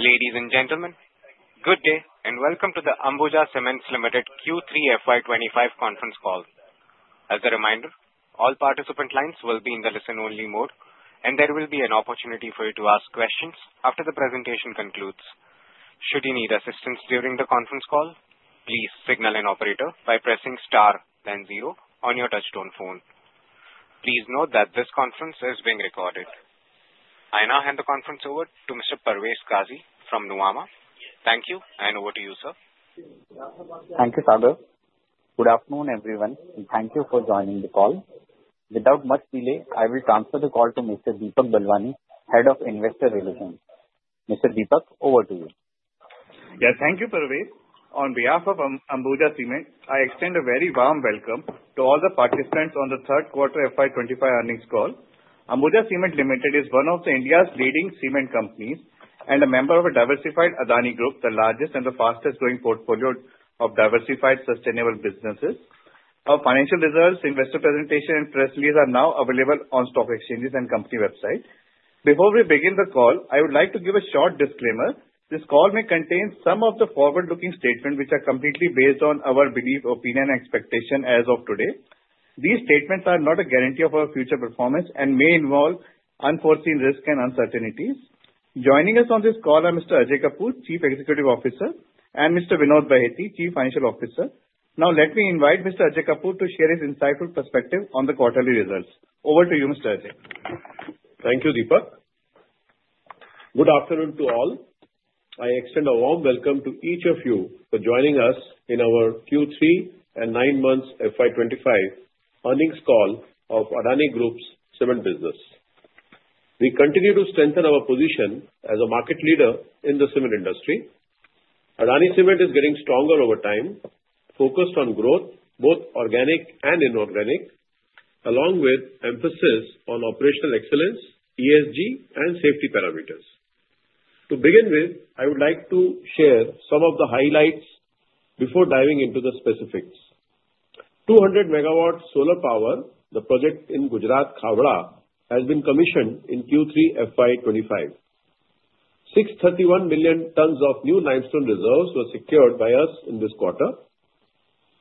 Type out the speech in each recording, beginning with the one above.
Ladies and gentlemen, good day and welcome to the Ambuja Cements Limited Q3 FY 2025 conference call. As a reminder, all participant lines will be in the listen-only mode, and there will be an opportunity for you to ask questions after the presentation concludes. Should you need assistance during the conference call, please signal an operator by pressing star, then zero, on your touchtone phone. Please note that this conference is being recorded. I now hand the conference over to Mr. Parvez Qazi from Nuvama. Thank you, and over to you, sir. Thank you, Sunder. Good afternoon, everyone, and thank you for joining the call. Without much delay, I will transfer the call to Mr. Deepak Balwani, Head of Investor Relations. Mr. Deepak, over to you. Yes, thank you, Parvez. On behalf of Ambuja Cements, I extend a very warm welcome to all the participants on the third quarter FY 2025 earnings call. Ambuja Cements Limited is one of India's leading cement companies and a member of a diversified Adani Group, the largest and the fastest-growing portfolio of diversified sustainable businesses. Our financial results, investor presentation, and press release are now available on stock exchanges and the company website. Before we begin the call, I would like to give a short disclaimer. This call may contain some of the forward-looking statements which are completely based on our belief, opinion, and expectation as of today. These statements are not a guarantee of our future performance and may involve unforeseen risks and uncertainties. Joining us on this call are Mr. Ajay Kapur, Chief Executive Officer, and Mr. Vinod Bahety, Chief Financial Officer. Now, let me invite Mr. Ajay Kapur to share his insightful perspective on the quarterly results. Over to you, Mr. Ajay. Thank you, Deepak. Good afternoon to all. I extend a warm welcome to each of you for joining us in our Q3 and nine-month FY 2025 earnings call of Adani Group's cement business. We continue to strengthen our position as a market leader in the cement industry. Adani Cement is getting stronger over time, focused on growth, both organic and inorganic, along with emphasis on operational excellence, ESG, and safety parameters. To begin with, I would like to share some of the highlights before diving into the specifics. 200 MW solar power, the project in Gujarat Khavda, has been commissioned in Q3 FY 2025. 631 million tons of new limestone reserves were secured by us in this quarter.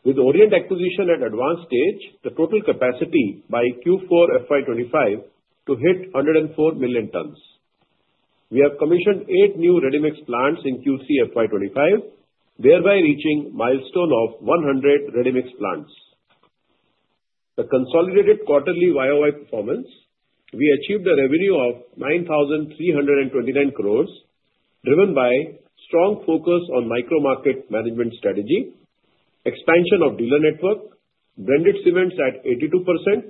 With Orient acquisition at advanced stage, the total capacity by Q4 FY 2025 to hit 104 million tons. We have commissioned eight new ready-mix plants in Q3 FY 2025, thereby reaching a milestone of 100 ready-mix plants. The consolidated quarterly YOY performance, we achieved a revenue of 9,329 crore, driven by a strong focus on micro-market management strategy, expansion of dealer network, branded cements at 82%,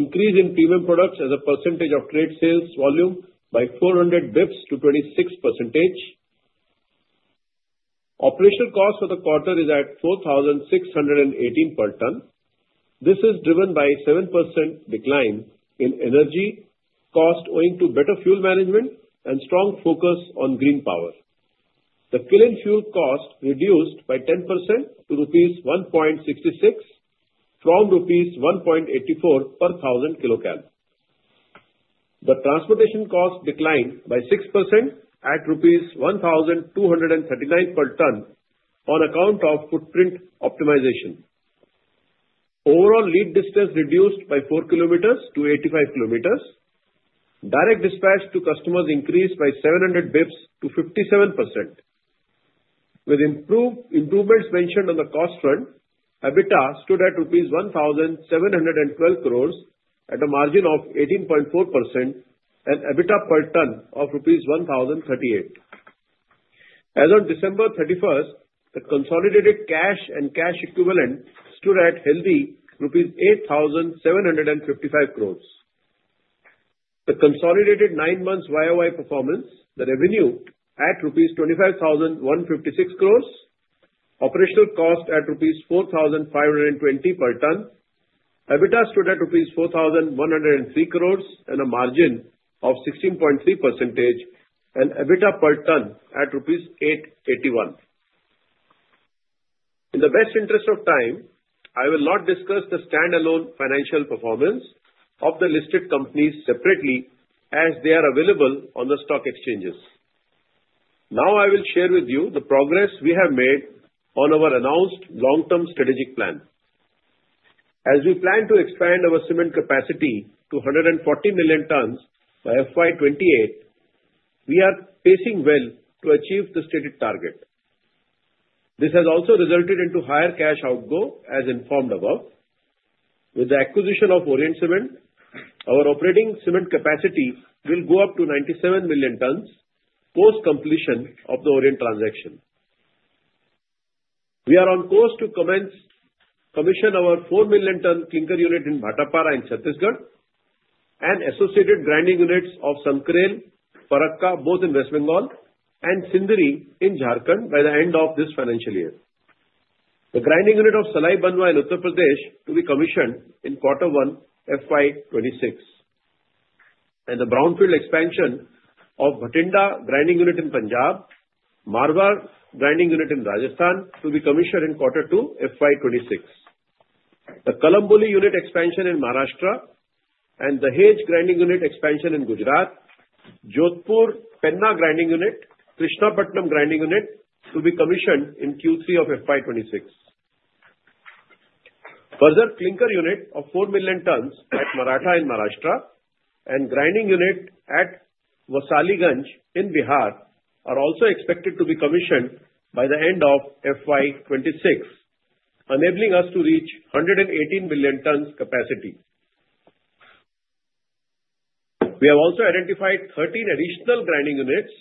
increase in premium products as a percentage of trade sales volume by 400 basis points to 26%. Operational cost for the quarter is at 4,618 per ton. This is driven by a 7% decline in energy cost owing to better fuel management and strong focus on green power. The kiln fuel cost reduced by 10% to rupees 1.66 from rupees 1.84 per thousand kcal. The transportation cost declined by 6% at rupees 1,239 per ton on account of footprint optimization. Overall lead distance reduced by 4 km to 85 km. Direct dispatch to customers increased by 700 basis points to 57%. With improvements mentioned on the cost front, EBITDA stood at rupees 1,712 crore at a margin of 18.4% and EBITDA per ton of rupees 1,038. As of December 31st, the consolidated cash and cash equivalent stood at healthy rupees 8,755 crore. The consolidated nine-month YOY performance, the revenue at rupees 25,156 crore, operational cost at rupees 4,520 per ton, EBITDA stood at rupees 4,103 crore and a margin of 16.3%, and EBITDA per ton at rupees 881. In the best interest of time, I will not discuss the standalone financial performance of the listed companies separately as they are available on the stock exchanges. Now, I will share with you the progress we have made on our announced long-term strategic plan. As we plan to expand our cement capacity to 140 million tons by FY 2028, we are pacing well to achieve the stated target. This has also resulted in higher cash outflow as informed above. With the acquisition of Orient Cement, our operating cement capacity will go up to 97 million tons post-completion of the Orient transaction. We are on course to commission our 4 million ton clinker unit in Bhatapara in Chhattisgarh and associated grinding units of Sankrail, Farakka, both in West Bengal, and Sindri in Jharkhand by the end of this financial year. The grinding unit of Salai Banwa in Uttar Pradesh to be commissioned in quarter one FY 2026, and the brownfield expansion of Bhatinda grinding unit in Punjab, Marwar grinding unit in Rajasthan to be commissioned in quarter two FY 2026. The Kalamboli unit expansion in Maharashtra and the Dahej grinding unit expansion in Gujarat, Jodhpur Penna grinding unit, Krishnapatnam grinding unit to be commissioned in Q3 of FY 2026. Further, clinker unit of four million tons at Maratha in Maharashtra and grinding unit at Warisaliganj in Bihar are also expected to be commissioned by the end of FY 2026, enabling us to reach 118 million tons capacity. We have also identified 13 additional grinding units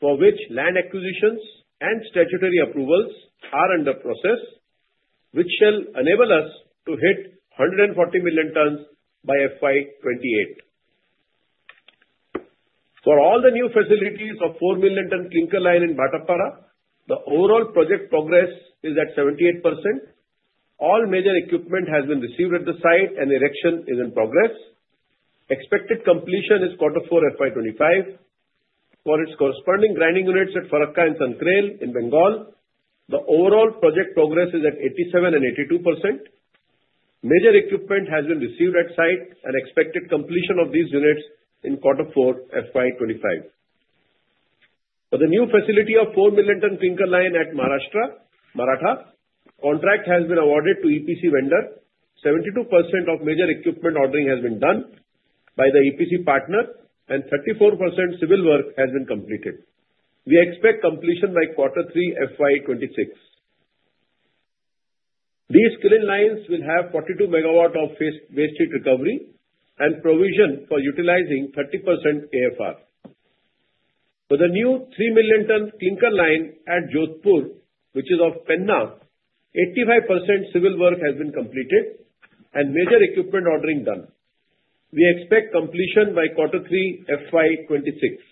for which land acquisitions and statutory approvals are under process, which shall enable us to hit 140 million tons by FY 2028. For all the new facilities of four million ton Clinker line in Bhatapara, the overall project progress is at 78%. All major equipment has been received at the site and erection is in progress. Expected completion is quarter four FY 2025. For its corresponding grinding units at Farakka and Sankrail in Bengal, the overall project progress is at 87% and 82%. Major equipment has been received at site and expected completion of these units in quarter four FY 2025. For the new facility of 4 million ton clinker line at Maharashtra, Maratha, contract has been awarded to EPC vendor. 72% of major equipment ordering has been done by the EPC partner and 34% civil work has been completed. We expect completion by quarter three FY 2026. These kiln lines will have 42 MW of waste heat recovery and provision for utilizing 30% AFR. For the new 3 million ton clinker line at Jodhpur, which is of Penna, 85% civil work has been completed and major equipment ordering done. We expect completion by quarter three FY 2026.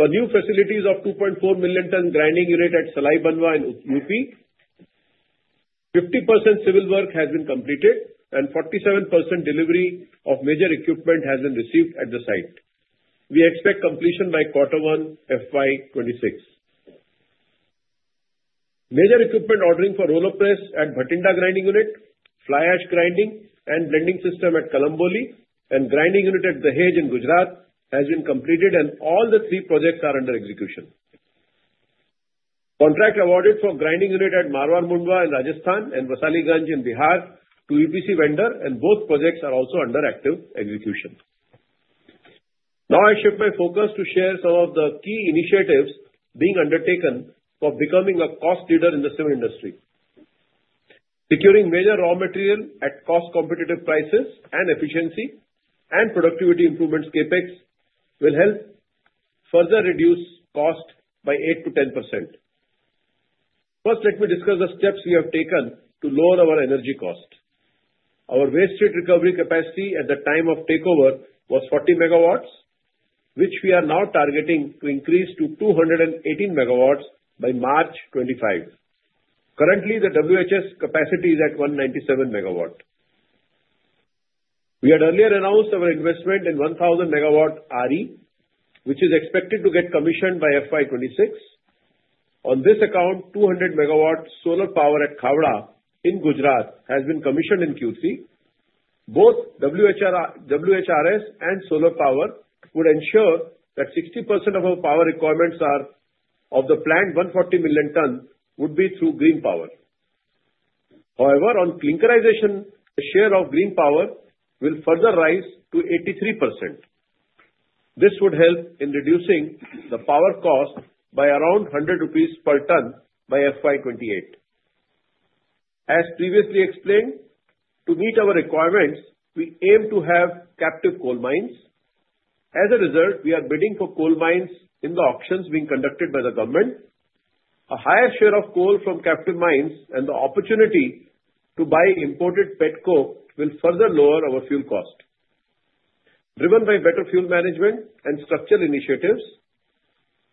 For new facilities of 2.4 million ton grinding unit at Salai Banwa in UP, 50% civil work has been completed and 47% delivery of major equipment has been received at the site. We expect completion by quarter one FY 2026. Major equipment ordering for roller press at Bhatinda grinding unit, fly ash grinding and blending system at Kalamboli, and grinding unit at Dahej in Gujarat has been completed, and all the three projects are under execution. Contract awarded for grinding unit at Marwar Mundwa in Rajasthan and Warisaliganj in Bihar to EPC vendor, and both projects are also under active execution. Now, I shift my focus to share some of the key initiatives being undertaken for becoming a cost leader in the cement industry. Securing major raw material at cost-competitive prices and efficiency and productivity improvements, CapEx, will help further reduce cost by 8%-10%. First, let me discuss the steps we have taken to lower our energy cost. Our waste heat recovery capacity at the time of takeover was 40 MW, which we are now targeting to increase to 218 MW by March 2025. Currently, the WHRS capacity is at 197 MW. We had earlier announced our investment in 1,000 MW RE, which is expected to get commissioned by FY 2026. On this account, 200 MW solar power at Khavda in Gujarat has been commissioned in Q3. Both WHRS and solar power would ensure that 60% of our power requirements of the planned 140 million ton would be through green power. However, on clinkerization, the share of green power will further rise to 83%. This would help in reducing the power cost by around 100 rupees per ton by FY 2028. As previously explained, to meet our requirements, we aim to have captive coal mines. As a result, we are bidding for coal mines in the auctions being conducted by the government. A higher share of coal from captive mines and the opportunity to buy imported Petcoke will further lower our fuel cost. Driven by better fuel management and structural initiatives,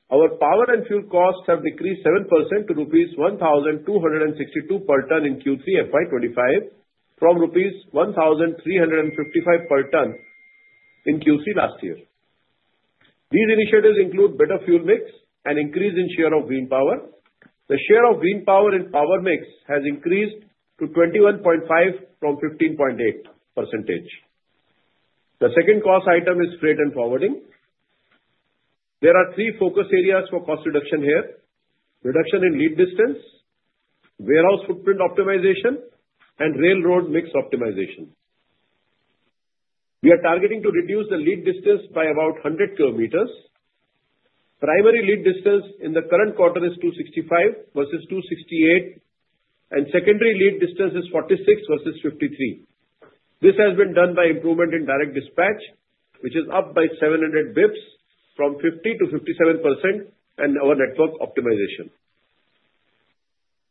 our power and fuel costs have decreased 7% to rupees 1,262 per ton in Q3 FY 2025 from rupees 1,355 per ton in Q3 last year. These initiatives include better fuel mix and increase in share of green power. The share of green power in power mix has increased to 21.5% from 15.8%. The second cost item is freight and forwarding. There are three focus areas for cost reduction here: reduction in lead distance, warehouse footprint optimization, and railroad mix optimization. We are targeting to reduce the lead distance by about 100 km. Primary lead distance in the current quarter is 265 versus 268, and secondary lead distance is 46 versus 53. This has been done by improvement in direct dispatch, which is up by 700 basis points from 50% to 57%, and our network optimization.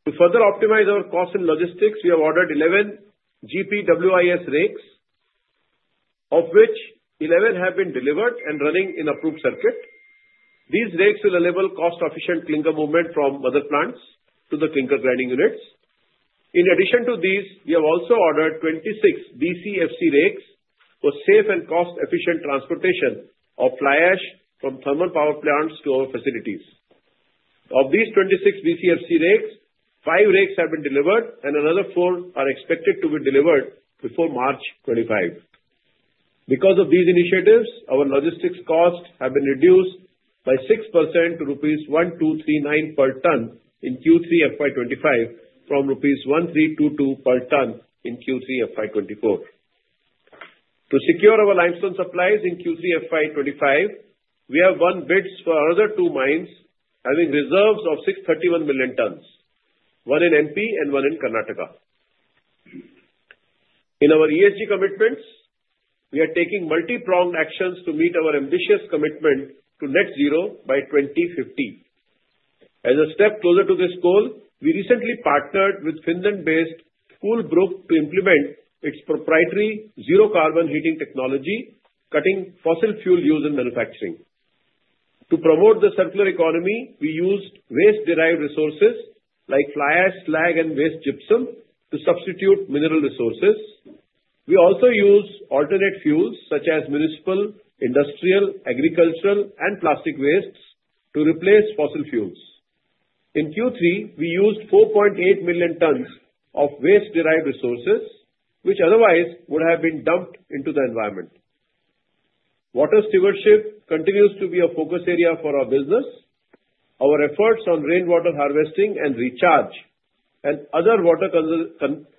To further optimize our cost and logistics, we have ordered 11 GPWIS rakes, of which 11 have been delivered and running in approved circuit. These rakes will enable cost-efficient clinker movement from other plants to the clinker grinding units. In addition to these, we have also ordered 26 BCFC rakes for safe and cost-efficient transportation of fly ash from thermal power plants to our facilities. Of these 26 BCFC rakes, five rakes have been delivered, and another four are expected to be delivered before March 2025. Because of these initiatives, our logistics costs have been reduced by 6% to rupees 1,239 per ton in Q3 FY 2025 from rupees 1,322 per ton in Q3 FY 2024. To secure our limestone supplies in Q3 FY 2025, we have won bids for other two mines having reserves of 631 million tons, one in MP and one in Karnataka. In our ESG commitments, we are taking multi-pronged actions to meet our ambitious commitment to net zero by 2050. As a step closer to this goal, we recently partnered with Finland-based Coolbrook to implement its proprietary zero-carbon heating technology, cutting fossil fuel use and manufacturing. To promote the circular economy, we used waste-derived resources like fly ash, slag, and waste gypsum to substitute mineral resources. We also used alternate fuels such as municipal, industrial, agricultural, and plastic wastes to replace fossil fuels. In Q3, we used 4.8 million tons of waste-derived resources, which otherwise would have been dumped into the environment. Water stewardship continues to be a focus area for our business. Our efforts on rainwater harvesting and recharge and other water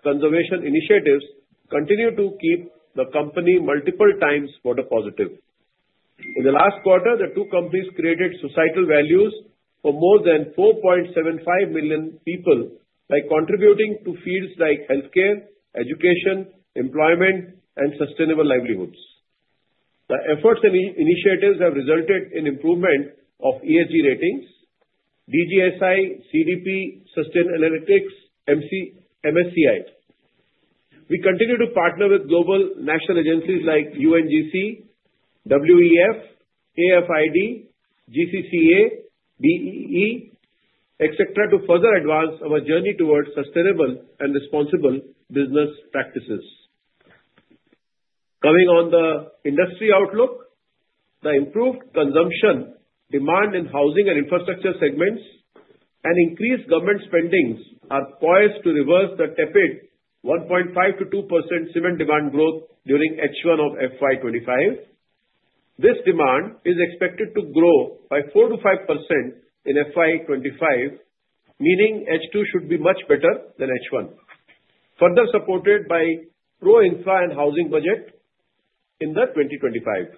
conservation initiatives continue to keep the company multiple times water positive. In the last quarter, the two companies created societal values for more than 4.75 million people by contributing to fields like healthcare, education, employment, and sustainable livelihoods. The efforts and initiatives have resulted in improvement of ESG ratings, DJSI, CDP, Sustainalytics, MSCI. We continue to partner with global national agencies like UNGC, WEF, AFID, GCCA, BEE, etc., to further advance our journey towards sustainable and responsible business practices. Coming on the industry outlook, the improved consumption demand in housing and infrastructure segments and increased government spendings are poised to reverse the tepid 1.5%-2% cement demand growth during H1 of FY 2025. This demand is expected to grow by 4%-5% in FY 2025, meaning H2 should be much better than H1, further supported by pro-infrastructure and housing budget in 2025.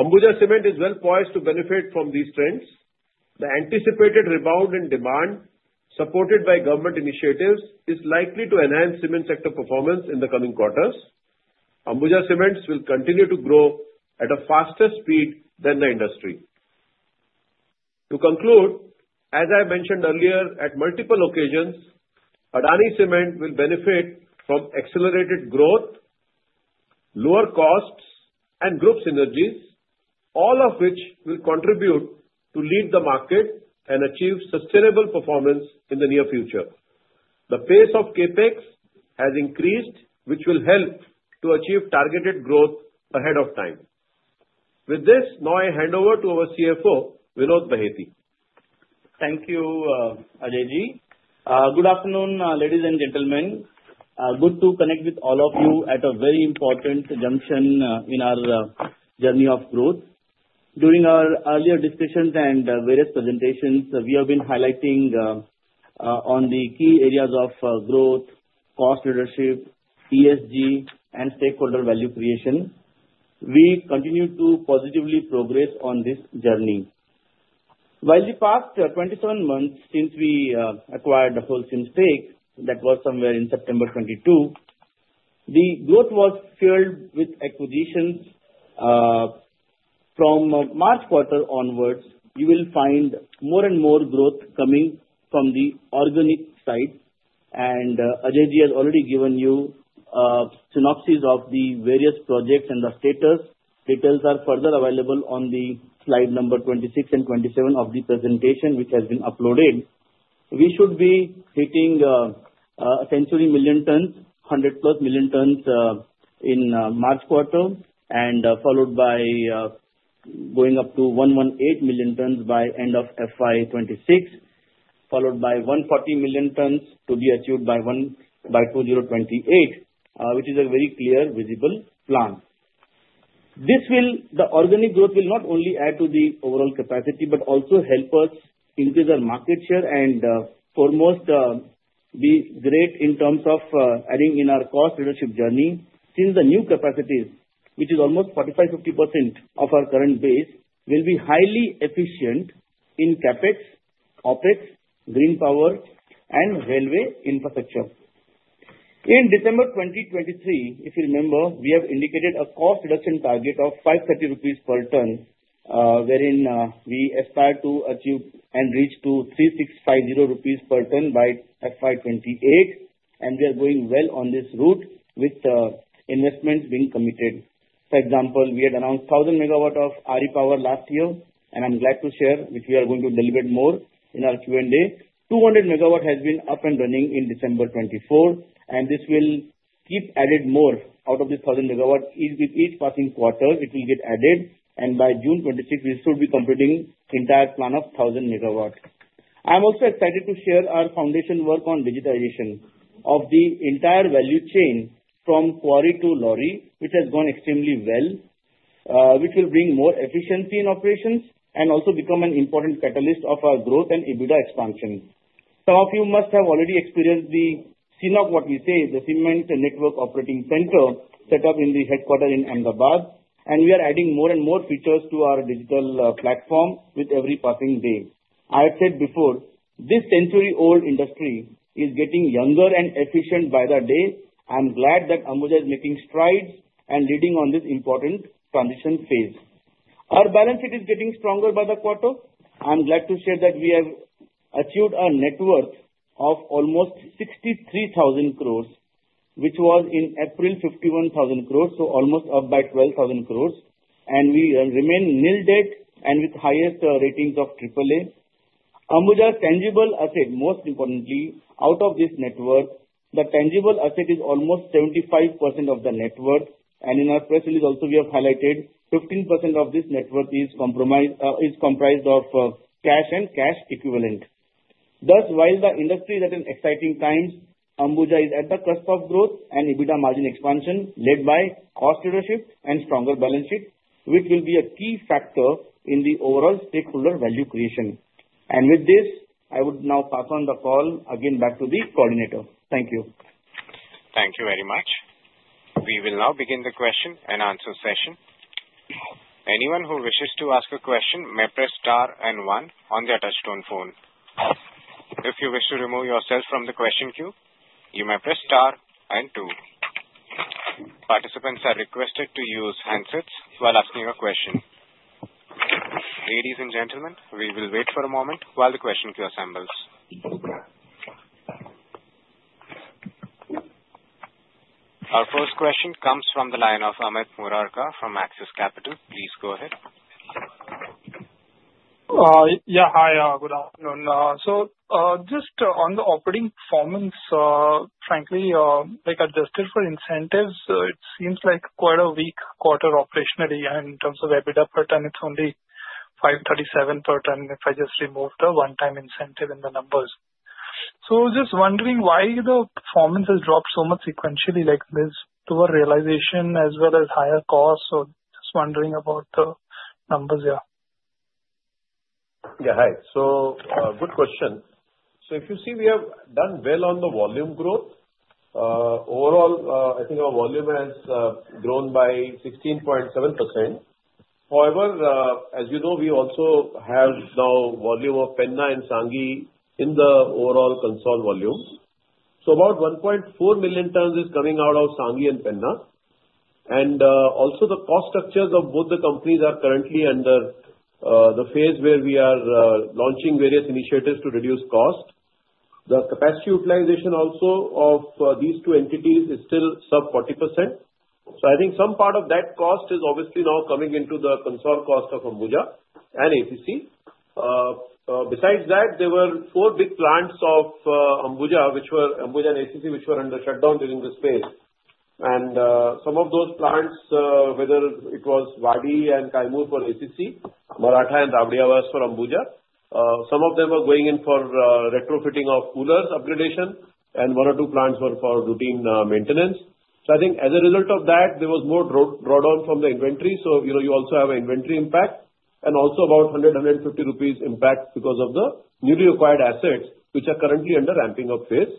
Ambuja Cement is well poised to benefit from these trends. The anticipated rebound in demand, supported by government initiatives, is likely to enhance cement sector performance in the coming quarters. Ambuja Cements will continue to grow at a faster speed than the industry. To conclude, as I mentioned earlier at multiple occasions, Adani Cement will benefit from accelerated growth, lower costs, and group synergies, all of which will contribute to lead the market and achieve sustainable performance in the near future. The pace of CapEx has increased, which will help to achieve targeted growth ahead of time. With this, now I hand over to our CFO, Vinod Bahety. Thank you, Ajayji. Good afternoon, ladies and gentlemen. Good to connect with all of you at a very important junction in our journey of growth. During our earlier discussions and various presentations, we have been highlighting on the key areas of growth, cost leadership, ESG, and stakeholder value creation. We continue to positively progress on this journey. While the past 27 months since we acquired the wholesale stake, that was somewhere in September 2022, the growth was fueled with acquisitions. From March quarter onwards, you will find more and more growth coming from the organic side. Ajayji has already given you a synopsis of the various projects and the status details are further available on the slide number 26 and 27 of the presentation, which has been uploaded. We should be hitting 10 million tons-11 million tons, 100+ million tons in March quarter, and followed by going up to 118 million tons by the end of FY 2026, followed by 140 million tons to be achieved by 2028, which is a very clear visible plan. The organic growth will not only add to the overall capacity but also help us increase our market share and foremost be great in terms of adding in our cost leadership journey since the new capacity, which is almost 45%-50% of our current base, will be highly efficient in CapEx, OpEx, green power, and railway infrastructure. In December 2023, if you remember, we have indicated a cost reduction target of 530 rupees per ton, wherein we aspire to achieve and reach to 3,650 rupees per ton by FY 2028, and we are going well on this route with investments being committed. For example, we had announced 1,000 MW of RE power last year, and I'm glad to share which we are going to deliver more in our Q&A. 200 MW has been up and running in December 2024, and this will keep adding more out of the 1,000 MW. With each passing quarter, it will get added, and by June 2026, we should be completing the entire plan of 1,000 MW. I'm also excited to share our foundation work on digitization of the entire value chain from quarry to lorry, which has gone extremely well, which will bring more efficiency in operations and also become an important catalyst of our growth and EBITDA expansion. Some of you must have already experienced the CNOC, what we say is the Cement Network Operating Center, set up in the headquarters in Ahmedabad, and we are adding more and more features to our digital platform with every passing day. I have said before, this century-old industry is getting younger and efficient by the day. I'm glad that Ambuja is making strides and leading on this important transition phase. Our balance sheet is getting stronger by the quarter. I'm glad to share that we have achieved a net worth of almost 63,000 crore, which was in April 51,000 crore, so almost up by 12,000 crore, and we remain nil debt and with highest ratings of AAA. Ambuja's tangible asset, most importantly, out of this net worth, the tangible asset is almost 75% of the net worth, and in our press release also, we have highlighted 15% of this net worth is comprised of cash and cash equivalent. Thus, while the industry is at exciting times, Ambuja is at the cusp of growth and EBITDA margin expansion led by cost leadership and stronger balance sheet, which will be a key factor in the overall stakeholder value creation, and with this, I would now pass on the call again back to the coordinator. Thank you. Thank you very much. We will now begin the question and answer session. Anyone who wishes to ask a question may press star and one on the touch-tone phone. If you wish to remove yourself from the question queue, you may press star and two. Participants are requested to use handsets while asking a question. Ladies and gentlemen, we will wait for a moment while the question queue assembles. Our first question comes from the line of Amit Murarka from Axis Capital. Please go ahead. Yeah, hi, good afternoon. So just on the operating performance, frankly, like adjusted for incentives, it seems like quite a weak quarter operationally in terms of EBITDA per ton. It's only 537 per ton if I just remove the one-time incentive in the numbers. So just wondering why the performance has dropped so much sequentially like this to lower realization as well as higher costs. So just wondering about the numbers here. Yeah, hi. So good question. So if you see, we have done well on the volume growth. Overall, I think our volume has grown by 16.7%. However, as you know, we also have now volume of Penna and Sanghi in the overall consol volume. So about 1.4 million tons is coming out of Sanghi and Penna. And also the cost structures of both the companies are currently under the phase where we are launching various initiatives to reduce cost. The capacity utilization also of these two entities is still sub-40%. So I think some part of that cost is obviously now coming into the consol cost of Ambuja and ACC. Besides that, there were four big plants of Ambuja, which were Ambuja and ACC, which were under shutdown during this phase. And some of those plants, whether it was Wadi and Kymore for ACC, Maratha and Rabriyawas was for Ambuja. Some of them were going in for retrofitting of coolers upgradation, and one or two plants were for routine maintenance. So I think as a result of that, there was more drawdown from the inventory. So you also have an inventory impact and also about 100, 150 rupees impact because of the newly acquired assets, which are currently under ramping up phase.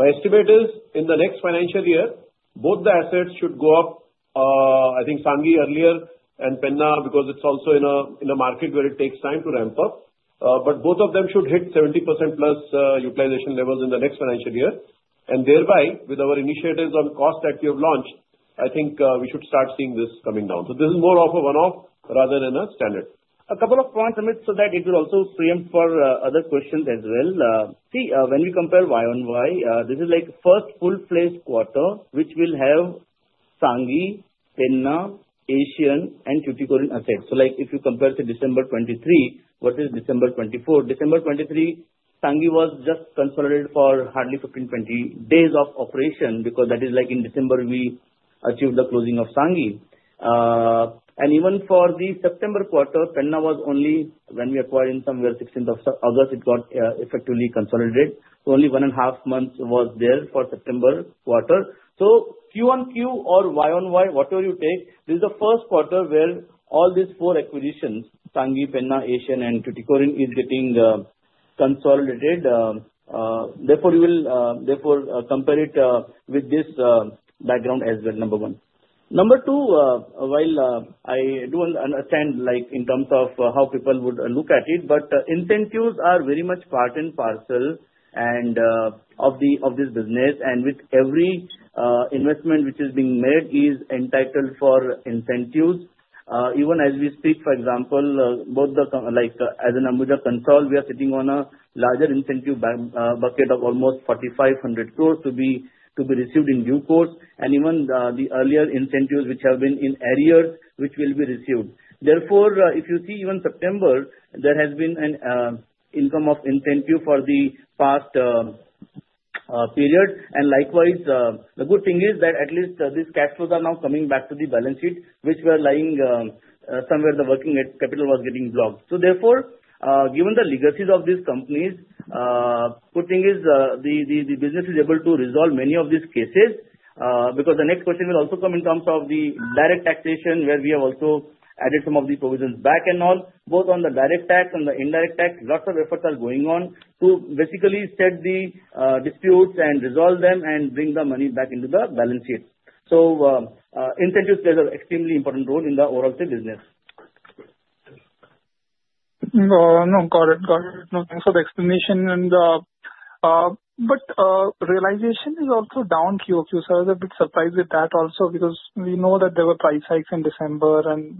My estimate is in the next financial year, both the assets should go up. I think Sanghi earlier and Penna, because it's also in a market where it takes time to ramp up, but both of them should hit 70%+ utilization levels in the next financial year. And thereby, with our initiatives on cost that you have launched, I think we should start seeing this coming down. So this is more of a one-off rather than a standard. A couple of points on it so that it will also frame for other questions as well. See, when we compare Y on Y, this is like first full-fledged quarter, which will have Sanghi, Penna, Asian, and Tuticorin assets. So like if you compare to December 2023 versus December 2024, December 2023, Sanghi was just consolidated for hardly 15, 20 days of operation because that is like in December we achieved the closing of Sanghi. And even for the September quarter, Penna was only when we acquired in somewhere 16th of August, it got effectively consolidated. Only one and a half months was there for September quarter. So Q on Q or Y on Y, whatever you take, this is the first quarter where all these four acquisitions, Sanghi, Penna, Asian, and Tuticorin is getting consolidated. Therefore, we will therefore compare it with this background as well. Number one. Number two, while I do understand like in terms of how people would look at it, but incentives are very much part and parcel of this business, and with every investment which is being made is entitled for incentives. Even as we speak, for example, both, like, as an Ambuja consolidated, we are sitting on a larger incentive bucket of almost 4,500 crore to be received in due course, and even the earlier incentives which have been in areas which will be received therefore, if you see, even September, there has been an income of incentive for the past period. And likewise, the good thing is that at least these cash flows are now coming back to the balance sheet, which were lying somewhere the working capital was getting blocked. So therefore, given the legacies of these companies, good thing is the business is able to resolve many of these cases because the next question will also come in terms of the direct taxation, where we have also added some of the provisions back and all, both on the direct tax and the indirect tax. Lots of efforts are going on to basically set the disputes and resolve them and bring the money back into the balance sheet. So incentives play an extremely important role in the overall business. No, got it. Got it. No, thanks for the explanation. But realization is also down QOQ, so I was a bit surprised with that also because we know that there were price hikes in December, and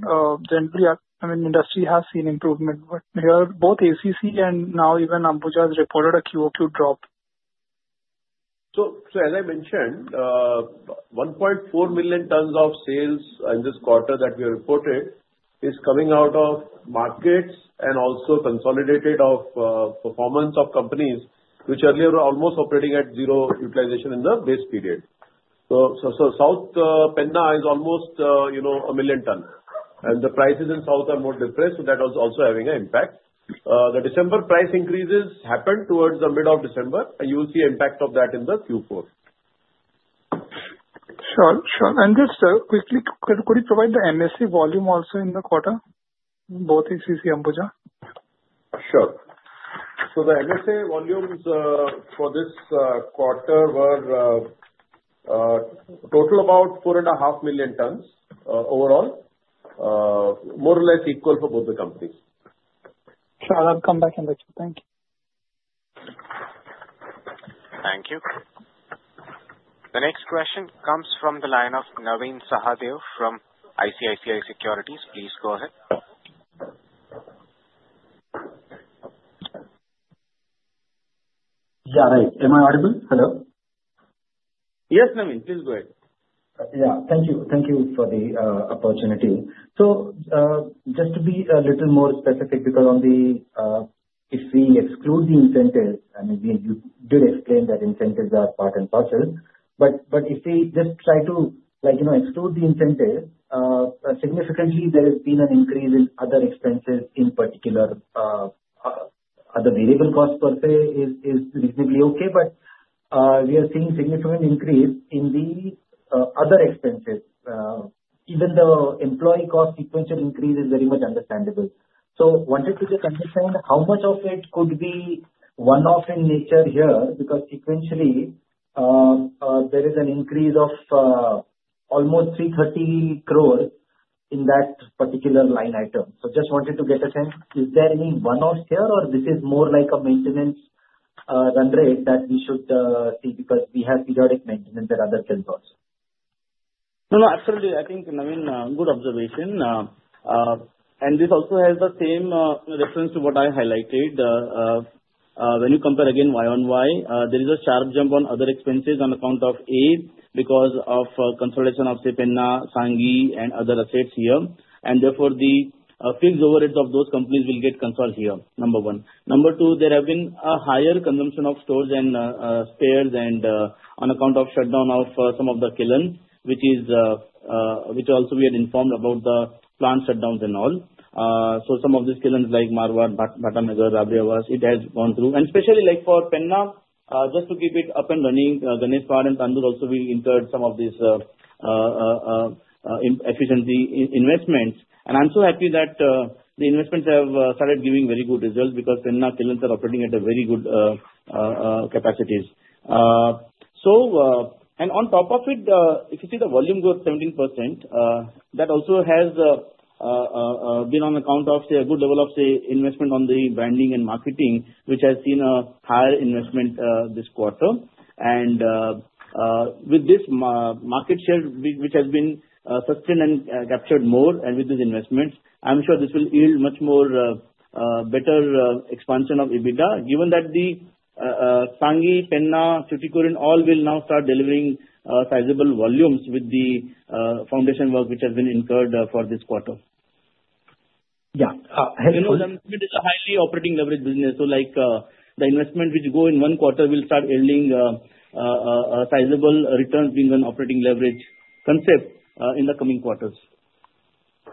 generally, I mean, industry has seen improvement, but here both ACC and now even Ambuja has reported a QOQ drop. So as I mentioned, 1.4 million tons of sales in this quarter that we reported is coming out of markets and also consolidated performance of companies which earlier were almost operating at zero utilization in the base period. So South Penna is almost a million ton, and the prices in South are more depressed, so that was also having an impact. The December price increases happened towards the middle of December, and you will see the impact of that in the Q4. Sure. Sure. And just quickly, could you provide the MSA volume also in the quarter, both ACC, Ambuja? Sure. So the MSA volumes for this quarter were total about 4.5 million tons overall, more or less equal for both the companies. Sure. I'll come back and look at it. Thank you. Thank you. The next question comes from the line of Navin Sahadeo from ICICI Securities. Please go ahead. Yeah, right. Am I audible? Hello? Yes, Navin. Please go ahead. Yeah. Thank you. Thank you for the opportunity. So just to be a little more specific, because if we exclude the incentives, I mean, you did explain that incentives are part and parcel, but if we just try to exclude the incentives, significantly, there has been an increase in other expenses, in particular, other variable costs per se is reasonably okay, but we are seeing a significant increase in the other expenses. Even the employee cost sequential increase is very much understandable. So I wanted to just understand how much of it could be one-off in nature here because sequentially, there is an increase of almost 330 crore in that particular line item. So just wanted to get a sense, is there any one-off here, or this is more like a maintenance run rate that we should see because we have periodic maintenance at other tempos? No, no. Absolutely. I think, Navin, good observation. And this also has the same reference to what I highlighted. When you compare again Y on Y, there is a sharp jump on other expenses on account of add because of consolidation of, say, Penna, Sanghi, and other assets here. And therefore, the fixed overheads of those companies will get consolidated here, number one. Number two, there has been a higher consumption of stores and spares on account of shutdown of some of the kilns, which also we had informed about the plant shutdowns and all. So some of these kilns like Marwar, Bhatapara, Rabriyawas, it has gone through. And especially for Penna, just to keep it up and running, Ganeshpahad and Tandur also will incur some of these efficiency investments. And I'm so happy that the investments have started giving very good results because Penna kilns are operating at very good capacities. And on top of it, if you see the volume growth, 17%, that also has been on account of, say, a good level of, say, investment on the branding and marketing, which has seen a higher investment this quarter. And with this market share, which has been sustained and captured more, and with these investments, I'm sure this will yield much more better expansion of EBITDA, given that the Sanghi, Penna, Tuticorin, all will now start delivering sizable volumes with the foundation work which has been incurred for this quarter. Yeah. Helpful. It is a highly operating leverage business. So the investment which go in one quarter will start yielding sizable returns being an operating leverage concept in the coming quarters.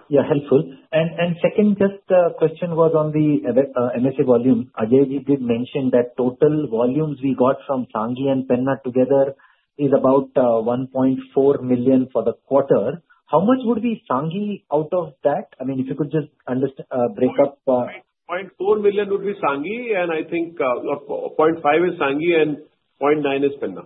Yeah. Helpful. And second, just the question was on the M&A volume. Ajay did mention that total volumes we got from Sanghi and Penna together is about 1.4 million for the quarter. How much would be Sanghi out of that? I mean, if you could just break up. 0.4 million would be Sanghi, and I think 0.5 is Sanghi, and 0.9 is Penna.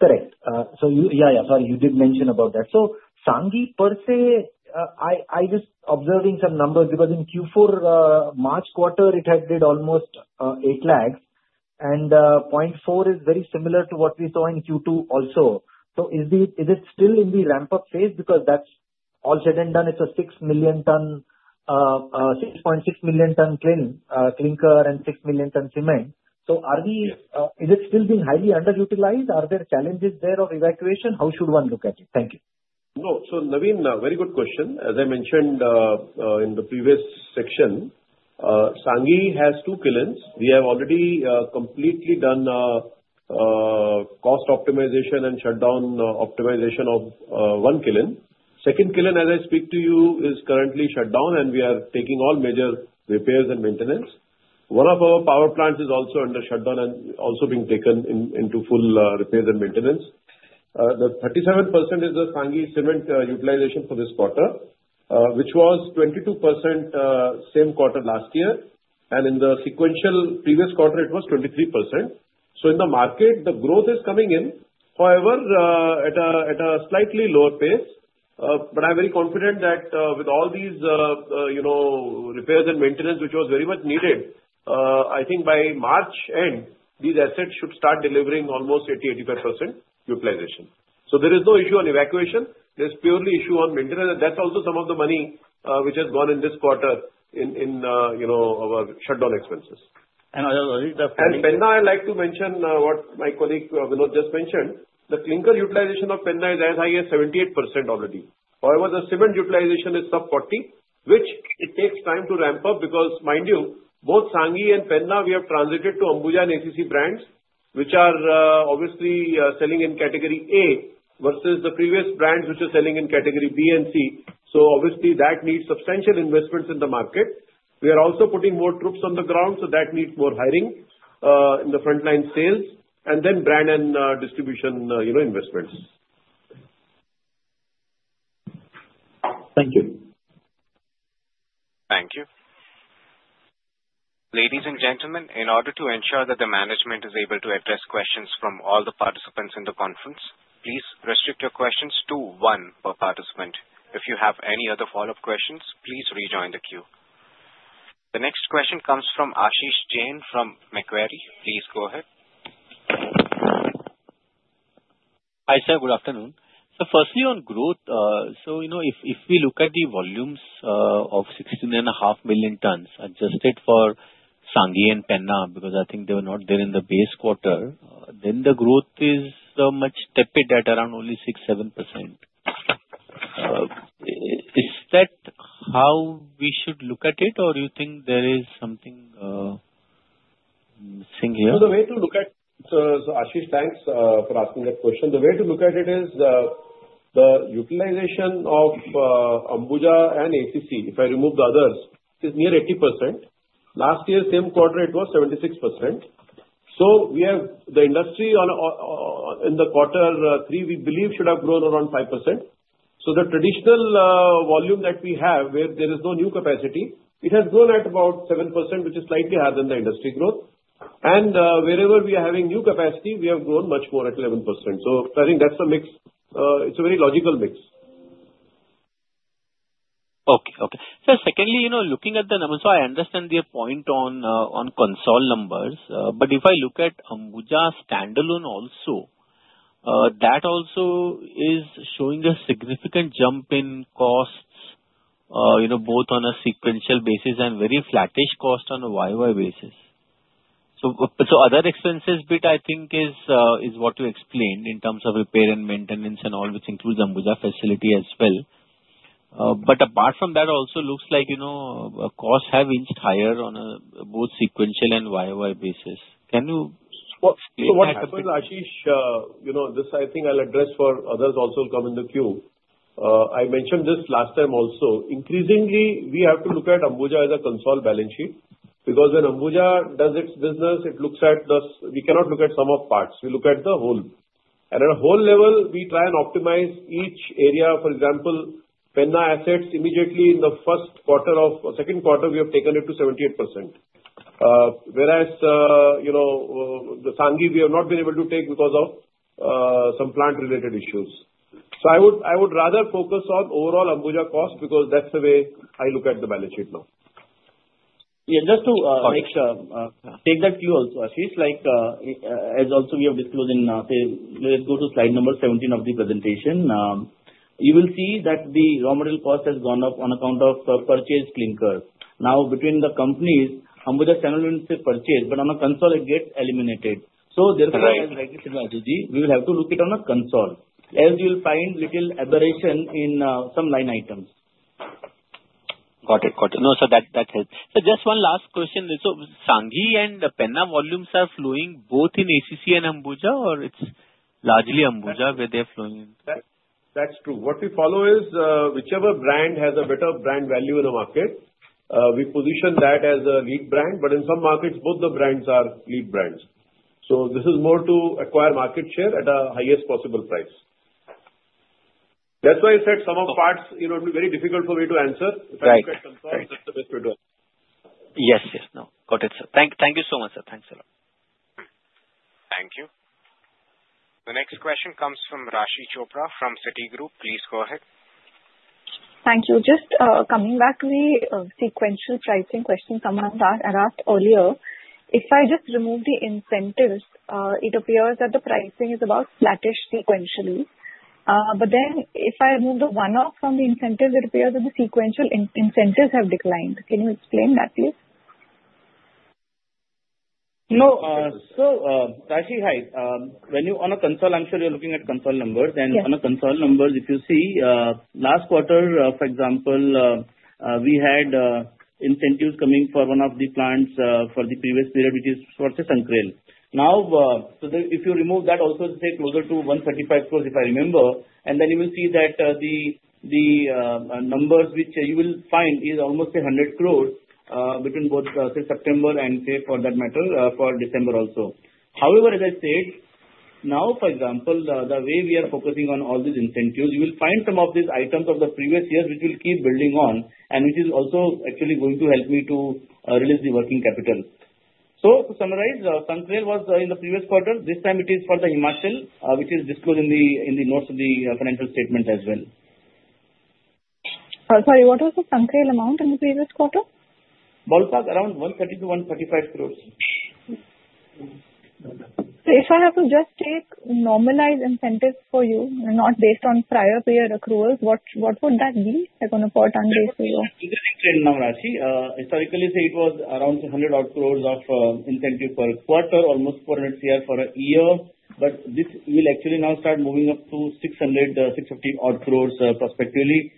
Correct. So yeah, yeah. Sorry, you did mention about that. So Sanghi per se, I just observing some numbers because in Q4, March quarter, it had did almost 8 lakhs, and 0.4 is very similar to what we saw in Q2 also. So is it still in the ramp-up phase? Because that's all said and done, it's a 6 million ton, 6.6 million ton clinker and 6 million ton cement. So is it still being highly underutilized? Are there challenges there of evacuation? How should one look at it? Thank you. No. So Navin, very good question. As I mentioned in the previous section, Sanghi has two kilns. We have already completely done cost optimization and shutdown optimization of one kiln. Second kiln, as I speak to you, is currently shutdown, and we are taking all major repairs and maintenance. One of our power plants is also under shutdown and also being taken into full repairs and maintenance. The 37% is the Sanghi cement utilization for this quarter, which was 22% same quarter last year, and in the sequential previous quarter, it was 23%. So in the market, the growth is coming in, however, at a slightly lower pace. But I'm very confident that with all these repairs and maintenance, which was very much needed, I think by March end, these assets should start delivering almost 80%-85% utilization. So there is no issue on evacuation. There's purely issue on maintenance. That's also some of the money which has gone in this quarter in our shutdown expenses. And Penna I like to mention what my colleague Vinod just mentioned. The clinker utilization of Penna is as high as 78% already. However, the cement utilization is sub-40%, which it takes time to ramp up because, mind you, both Sanghi and Penna, we have transited to Ambuja and ACC brands, which are obviously selling in category A versus the previous brands which are selling in category B and C. So obviously, that needs substantial investments in the market. We are also putting more troops on the ground, so that needs more hiring in the frontline sales and then brand and distribution investments. Thank you. Thank you. Ladies and gentlemen, in order to ensure that the management is able to address questions from all the participants in the conference, please restrict your questions to one per participant. If you have any other follow-up questions, please rejoin the queue. The next question comes from Ashish Jain from Macquarie. Please go ahead. Hi sir, good afternoon. So firstly on growth, so if we look at the volumes of 16.5 million tons adjusted for Sanghi and Penna because I think they were not there in the base quarter, then the growth is much tepid at around only 6%-7%. Is that how we should look at it, or do you think there is something missing here? So the way to look at so Ashish, thanks for asking that question. The way to look at it is the utilization of Ambuja and ACC, if I remove the others, is near 80%. Last year, same quarter, it was 76%. So the industry in the quarter three, we believe, should have grown around 5%. So the traditional volume that we have, where there is no new capacity, it has grown at about 7%, which is slightly higher than the industry growth. And wherever we are having new capacity, we have grown much more at 11%. So I think that's a mix, it's a very logical mix. Okay. Okay. Secondly, looking at the numbers, I understand their point on consolidated numbers, but if I look at Ambuja standalone also, that also is showing a significant jump in costs, both on a sequential basis and very flattish costs on a YY basis. Other expenses, I think, is what you explained in terms of repair and maintenance and all, which includes Ambuja facility as well. But apart from that, it also looks like costs have inched higher on both sequential and YY basis. Can you? What I can tell you, Ashish, this I think I'll address for others also who come in the queue. I mentioned this last time also. Increasingly, we have to look at Ambuja as a consolidated balance sheet because when Ambuja does its business, it looks at the whole. We cannot look at sum of parts. We look at the whole. At a whole level, we try and optimize each area. For example, Penna assets immediately in the first quarter and second quarter, we have taken it to 78%, whereas the Sanghi, we have not been able to take because of some plant-related issues. So I would rather focus on overall Ambuja cost because that's the way I look at the balance sheet now. Yeah. Just to make sure, take that cue also, Ashish. As also we have disclosed in, let's go to slide number 17 of the presentation. You will see that the raw material cost has gone up on account of purchase clinker. Now, between the companies, Ambuja standalone purchase, but on a consolidated, it gets eliminated. So therefore, as I said, Rajivji, we will have to look at it on a consolidated, as you will find little aberration in some line items. Got it. Got it. No, so that helps. So just one last question. So Sanghi and Penna volumes are flowing both in ACC and Ambuja, or it's largely Ambuja where they are flowing? That's true. What we follow is whichever brand has a better brand value in the market, we position that as a lead brand. But in some markets, both the brands are lead brands. So this is more to acquire market share at a highest possible price. That's why I said some aspects will be very difficult for me to answer. If I look at consol, that's the best way to answer. Yes. Yes. No. Got it, sir. Thank you so much, sir. Thanks a lot. Thank you. The next question comes from Raashi Chopra from Citigroup. Please go ahead. Thank you. Just coming back to the sequential pricing question someone had asked earlier. If I just remove the incentives, it appears that the pricing is about flattish sequentially. But then if I remove the one-off from the incentives, it appears that the sequential incentives have declined. Can you explain that, please? No. So Rajiv, when you on a consolidated, I'm sure you're looking at consolidated numbers. And on a consolidated numbers, if you see, last quarter, for example, we had incentives coming for one of the plants for the previous period, which is for Sankrail. Now, if you remove that also, say, closer to 135 crore, if I remember, and then you will see that the numbers which you will find is almost 100 crore between both, say, September and, say, for that matter, for December also. However, as I said, now, for example, the way we are focusing on all these incentives, you will find some of these items of the previous year which will keep building on and which is also actually going to help me to release the working capital. So to summarize, Sanghi was in the previous quarter. This time, it is for the Himachal Pradesh, which is disclosed in the notes of the financial statement as well. Sorry, what was the Sanghi amount in the previous quarter? Ballpark around 130 crore-135 crore. So if I have to just take normalized incentives for you, not based on prior period accruals, what would that be? I'm going to put on base to your. Historically, say it was around 100 crore of incentive per quarter, almost INR 400 crore for a year. But this will actually now start moving up to 600 crore-650 crore prospectively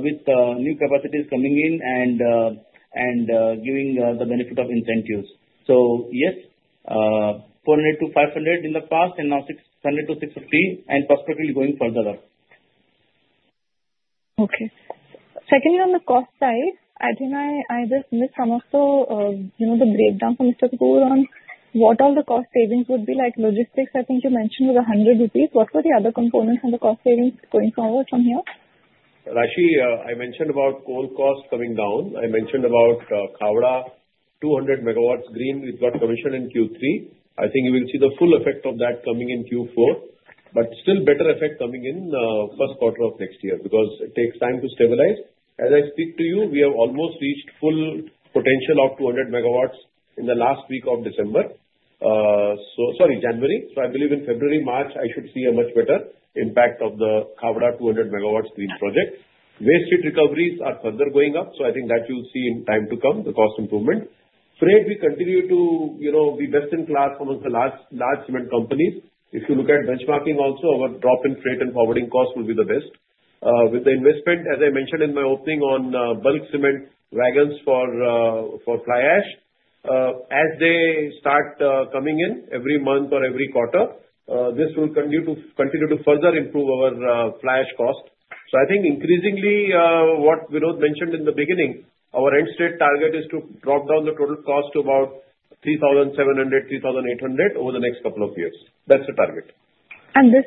with new capacities coming in and giving the benefit of incentives. So yes, 400 crore-500 crore in the past and now 600 crore-650 crore and prospectively going further. Okay. Secondly, on the cost side, I think I just missed some of the breakdown for Mr. Kapur on what all the cost savings would be. Logistics, I think you mentioned was 100 rupees. What were the other components of the cost savings going forward from here? Rajiv, I mentioned about coal costs coming down. I mentioned about Khavda, 200 MW green we got commissioned in Q3. I think you will see the full effect of that coming in Q4, but still better effect coming in the first quarter of next year because it takes time to stabilize. As I speak to you, we have almost reached full potential of 200 MW in the last week of December. Sorry, January. So I believe in February, March, I should see a much better impact of the Khavda 200 MW green project. Waste heat recoveries are further going up. So I think that you'll see in time to come, the cost improvement. Freight, we continue to be best in class amongst the large cement companies. If you look at benchmarking also, our drop in freight and forwarding costs will be the best. With the investment, as I mentioned in my opening on bulk cement wagons for fly ash, as they start coming in every month or every quarter, this will continue to further improve our fly ash cost. I think increasingly, what Vinod mentioned in the beginning, our end state target is to drop down the total cost to about 3,700, 3,800 over the next couple of years. That's the target. And this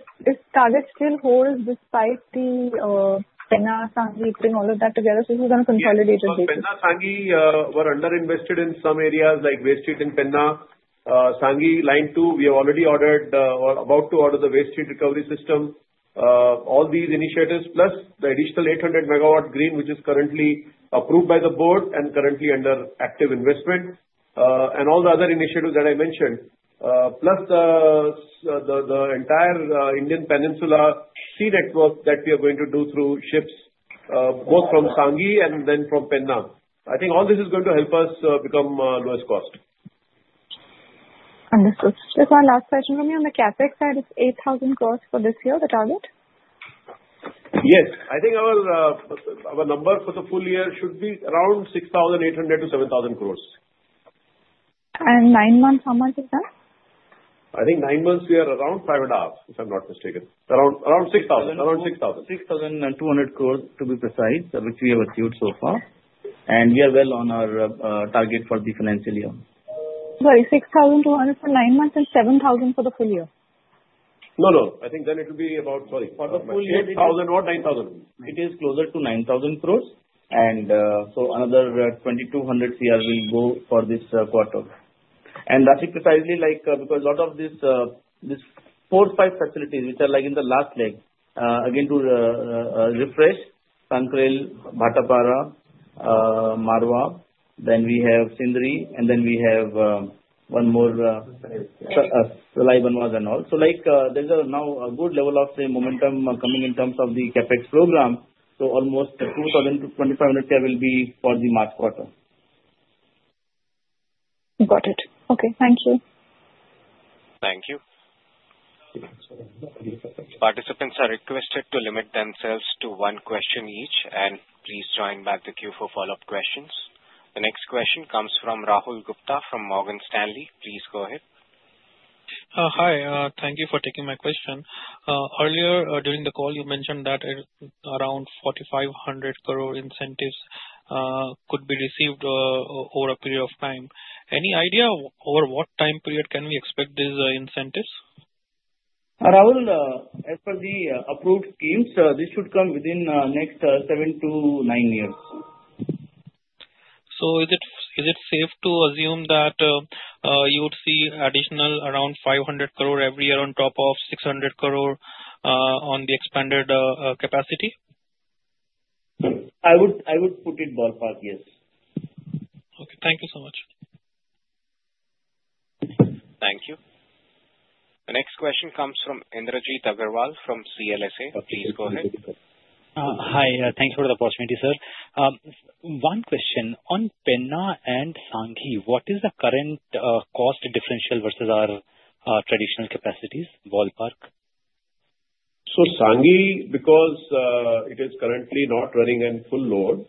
target still holds despite the Penna, Sanghi, putting all of that together? This is on a consolidated basis. Penna and Sanghi were underinvested in some areas like waste heat in Penna. Sanghi, line two, we have already ordered or about to order the waste heat recovery system. All these initiatives, plus the additional 800 MW green, which is currently approved by the board and currently under active investment, and all the other initiatives that I mentioned, plus the entire Indian peninsular sea network that we are going to do through ships, both from Sanghi and then from Penna. I think all this is going to help us become lowest cost. Understood. Just one last question from you. On the CapEx side, it's 8,000 crore for this year, the target? Yes. I think our number for the full year should be around 6,800 crore-7,000 crore. And nine months, how much is that? I think nine months, we are around 5,500, if I'm not mistaken. Around 6,000. 6,200 crore, to be precise, which we have achieved so far. And we are well on our target for the financial year. Sorry, 6,200 for nine months and 7,000 for the full year? No, no. I think then it will be about, sorry, for the full year, 8,000 or 9,000. It is closer to 9,000 crore. And so another 2,200 crore will go for this quarter. Rajiv, precisely because a lot of these four, five facilities, which are in the last leg, again to refresh, Sankrail, Bhatapara, Marwar, then we have Sindri, and then we have one more, Rabriyawas and all. So there's now a good level of momentum coming in terms of the CapEx program. So almost 2,000 crore-2,500 crore will be for the March quarter. Got it. Okay. Thank you. Thank you. Participants are requested to limit themselves to one question each, and please join back the queue for follow-up questions. The next question comes from Rahul Gupta from Morgan Stanley. Please go ahead. Hi. Thank you for taking my question. Earlier during the call, you mentioned that around 4,500 crore incentives could be received over a period of time. Any idea over what time period can we expect these incentives? Rahul, as per the approved schemes, this should come within the next seven to nine years. So is it safe to assume that you would see additional around 500 crore every year on top of 600 crore on the expanded capacity? I would put it ballpark, yes. Okay. Thank you so much. Thank you. The next question comes from Indrajit Agarwal from CLSA. Please go ahead. Hi. Thanks for the opportunity, sir. One question. On Penna and Sanghi, what is the current cost differential versus our traditional capacities, ballpark? So Sanghi, because it is currently not running in full load,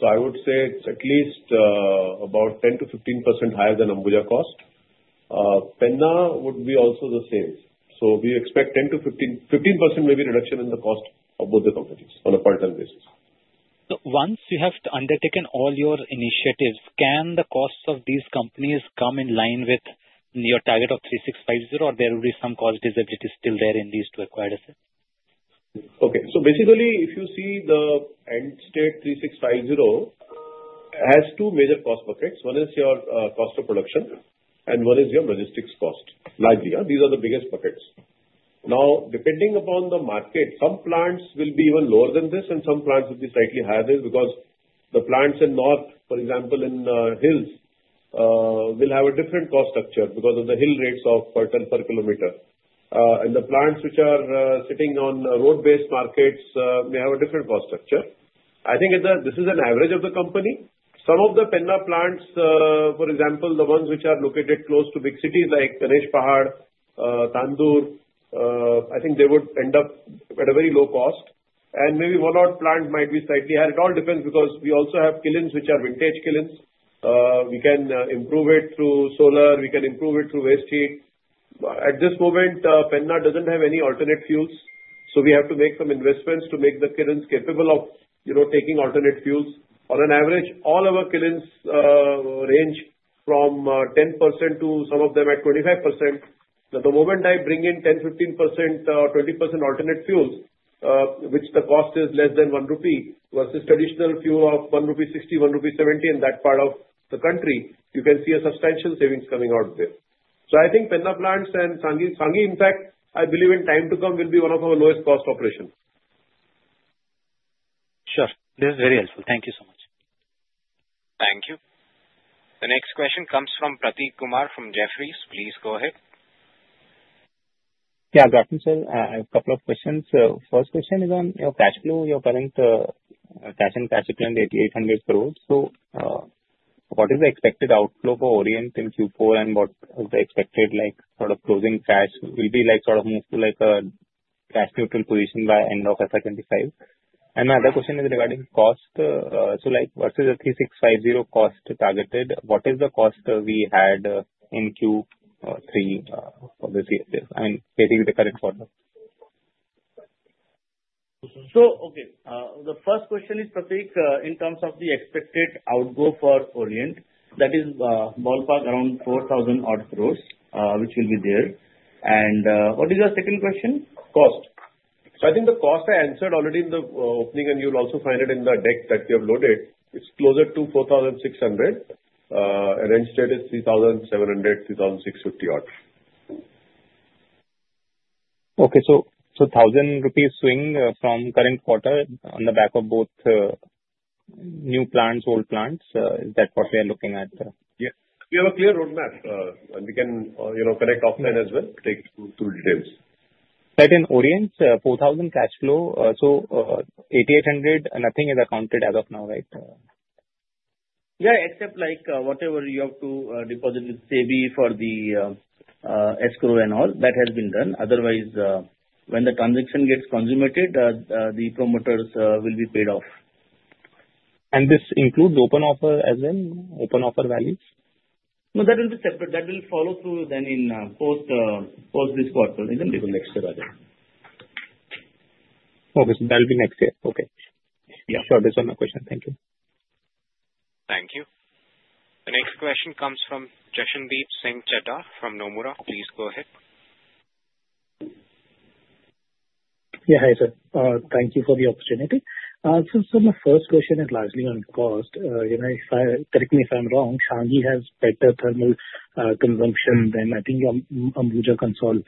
so I would say it's at least about 10%-15% higher than Ambuja cost. Penna would be also the same. So we expect 10%-15% maybe reduction in the cost of both the companies on a quarter basis. Once you have undertaken all your initiatives, can the costs of these companies come in line with your target of 3,650, or there will be some cost disability still there in these two acquired assets? Okay. So basically, if you see the end state 3,650, it has two major cost buckets. One is your cost of production, and one is your logistics cost. These are the biggest buckets. Now, depending upon the market, some plants will be even lower than this, and some plants will be slightly higher than this because the plants in north, for example, in hills, will have a different cost structure because of the hill rates of quintal per kilometer. And the plants which are sitting on road-based markets may have a different cost structure. I think this is an average of the company. Some of the Penna plants, for example, the ones which are located close to big cities like Ganeshpahad, Tandur, I think they would end up at a very low cost, and maybe one-odd plant might be slightly higher. It all depends because we also have kilns which are vintage kilns. We can improve it through solar. We can improve it through waste heat. At this moment, Penna doesn't have any alternate fuels. So we have to make some investments to make the kilns capable of taking alternate fuels. On an average, all our kilns range from 10% to some of them at 25%. Now, the moment I bring in 10, 15%, 20% alternate fuels, which the cost is less than 1 rupee versus traditional fuel of 1.60 rupee, 1.70 rupee in that part of the country, you can see a substantial savings coming out there. So I think Penna plants and Sanghi, in fact, I believe in time to come will be one of our lowest cost operations. Sure. This is very helpful. Thank you so much. Thank you. The next question comes from Prateek Kumar from Jefferies. Please go ahead. Yeah. Got you, sir. I have a couple of questions. First question is on cash flow. You're currently cash and cash equivalent 8,800 crore. So what is the expected outflow for Orient in Q4, and what is the expected sort of closing cash? Will we sort of move to a cash-neutral position by end of FY 2025? And my other question is regarding cost. So versus the 3,650 cost targeted, what is the cost we had in Q3 for this year? I mean, basically the current quarter. So okay. The first question is, Prateek, in terms of the expected outgo for Orient, that is ballpark around 4,000-odd crore, which will be there, and what is your second question? Cost, so I think the cost I answered already in the opening, and you'll also find it in the deck that we have loaded, it's closer to 4,600. End state is 3,700, 3,650 odd. Okay, so 1,000 rupees swing from current quarter on the back of both new plants, old plants. Is that what we are looking at? Yeah. We have a clear roadmap, and we can connect offline as well to take full details. But in Orient, 4,000 crore cash flow, so 8,800, nothing is accounted as of now, right? Yeah. Except whatever you have to deposit with SEBI for the escrow and all, that has been done. Otherwise, when the transaction gets consummated, the promoters will be paid off. And this includes open offer as well? Open offer values? No, that will be separate. That will follow through then in post this quarter. It will be next year, Rajiv. Okay. So that will be next year. Okay. Yeah. Sure. This is my question. Thank you. Thank you. The next question comes from Jashandeep Singh Chheda from Nomura. Please go ahead. Yeah. Hi, sir. Thank you for the opportunity. So my first question is largely on cost. Correct me if I'm wrong. Sanghi has better thermal consumption than I think Ambuja standalone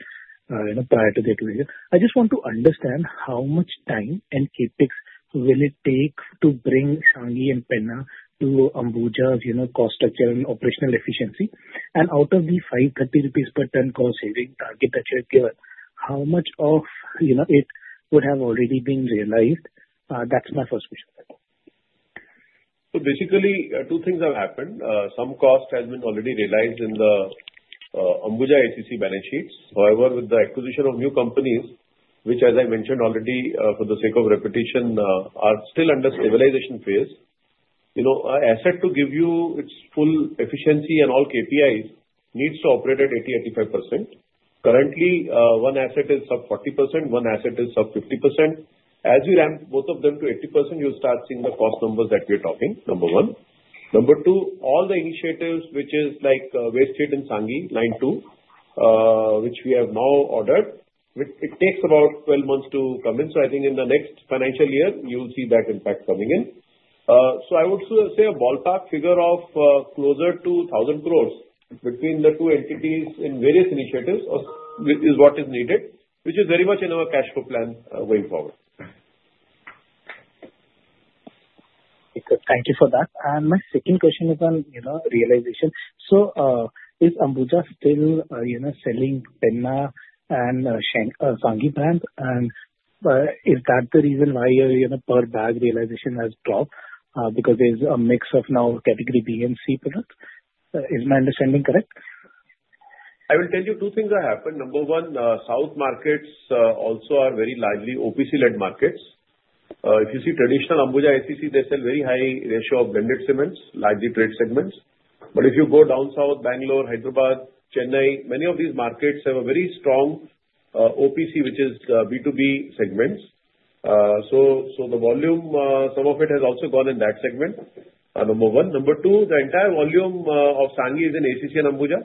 prior to the acquisition. I just want to understand how much time and CapEx will it take to bring Sanghi and Penna to Ambuja's cost structure and operational efficiency? And out of the 530 rupees per ton cost saving target that you have given, how much of it would have already been realized? That's my first question. So basically, two things have happened. Some cost has been already realized in the Ambuja ACC balance sheets. However, with the acquisition of new companies, which, as I mentioned already, for the sake of repetition, are still under stabilization phase, an asset to give you its full efficiency and all KPIs needs to operate at 80%-85%. Currently, one asset is sub 40%. One asset is sub 50%. As we ramp both of them to 80%, you'll start seeing the cost numbers that we are talking. Number one. Number two, all the initiatives, which is waste heat and Sanghi line two, which we have now ordered, it takes about 12 months to come in. So I think in the next financial year, you'll see that impact coming in. So I would say a ballpark figure of closer to 1,000 crore between the two entities in various initiatives is what is needed, which is very much in our cash flow plan going forward. Thank you for that. And my second question is on realization. So is Ambuja still selling Penna and Sanghi brand? And is that the reason why per bag realization has dropped? Because there's a mix of now category B and C products. Is my understanding correct? I will tell you two things have happened. Number one, south markets also are very largely OPC-led markets. If you see traditional Ambuja ACC, they sell very high ratio of blended cements, largely trade segments. But if you go down south, Bangalore, Hyderabad, Chennai, many of these markets have a very strong OPC, which is B2B segments. So the volume, some of it has also gone in that segment. Number one. Number two, the entire volume of Sanghi is in ACC and Ambuja.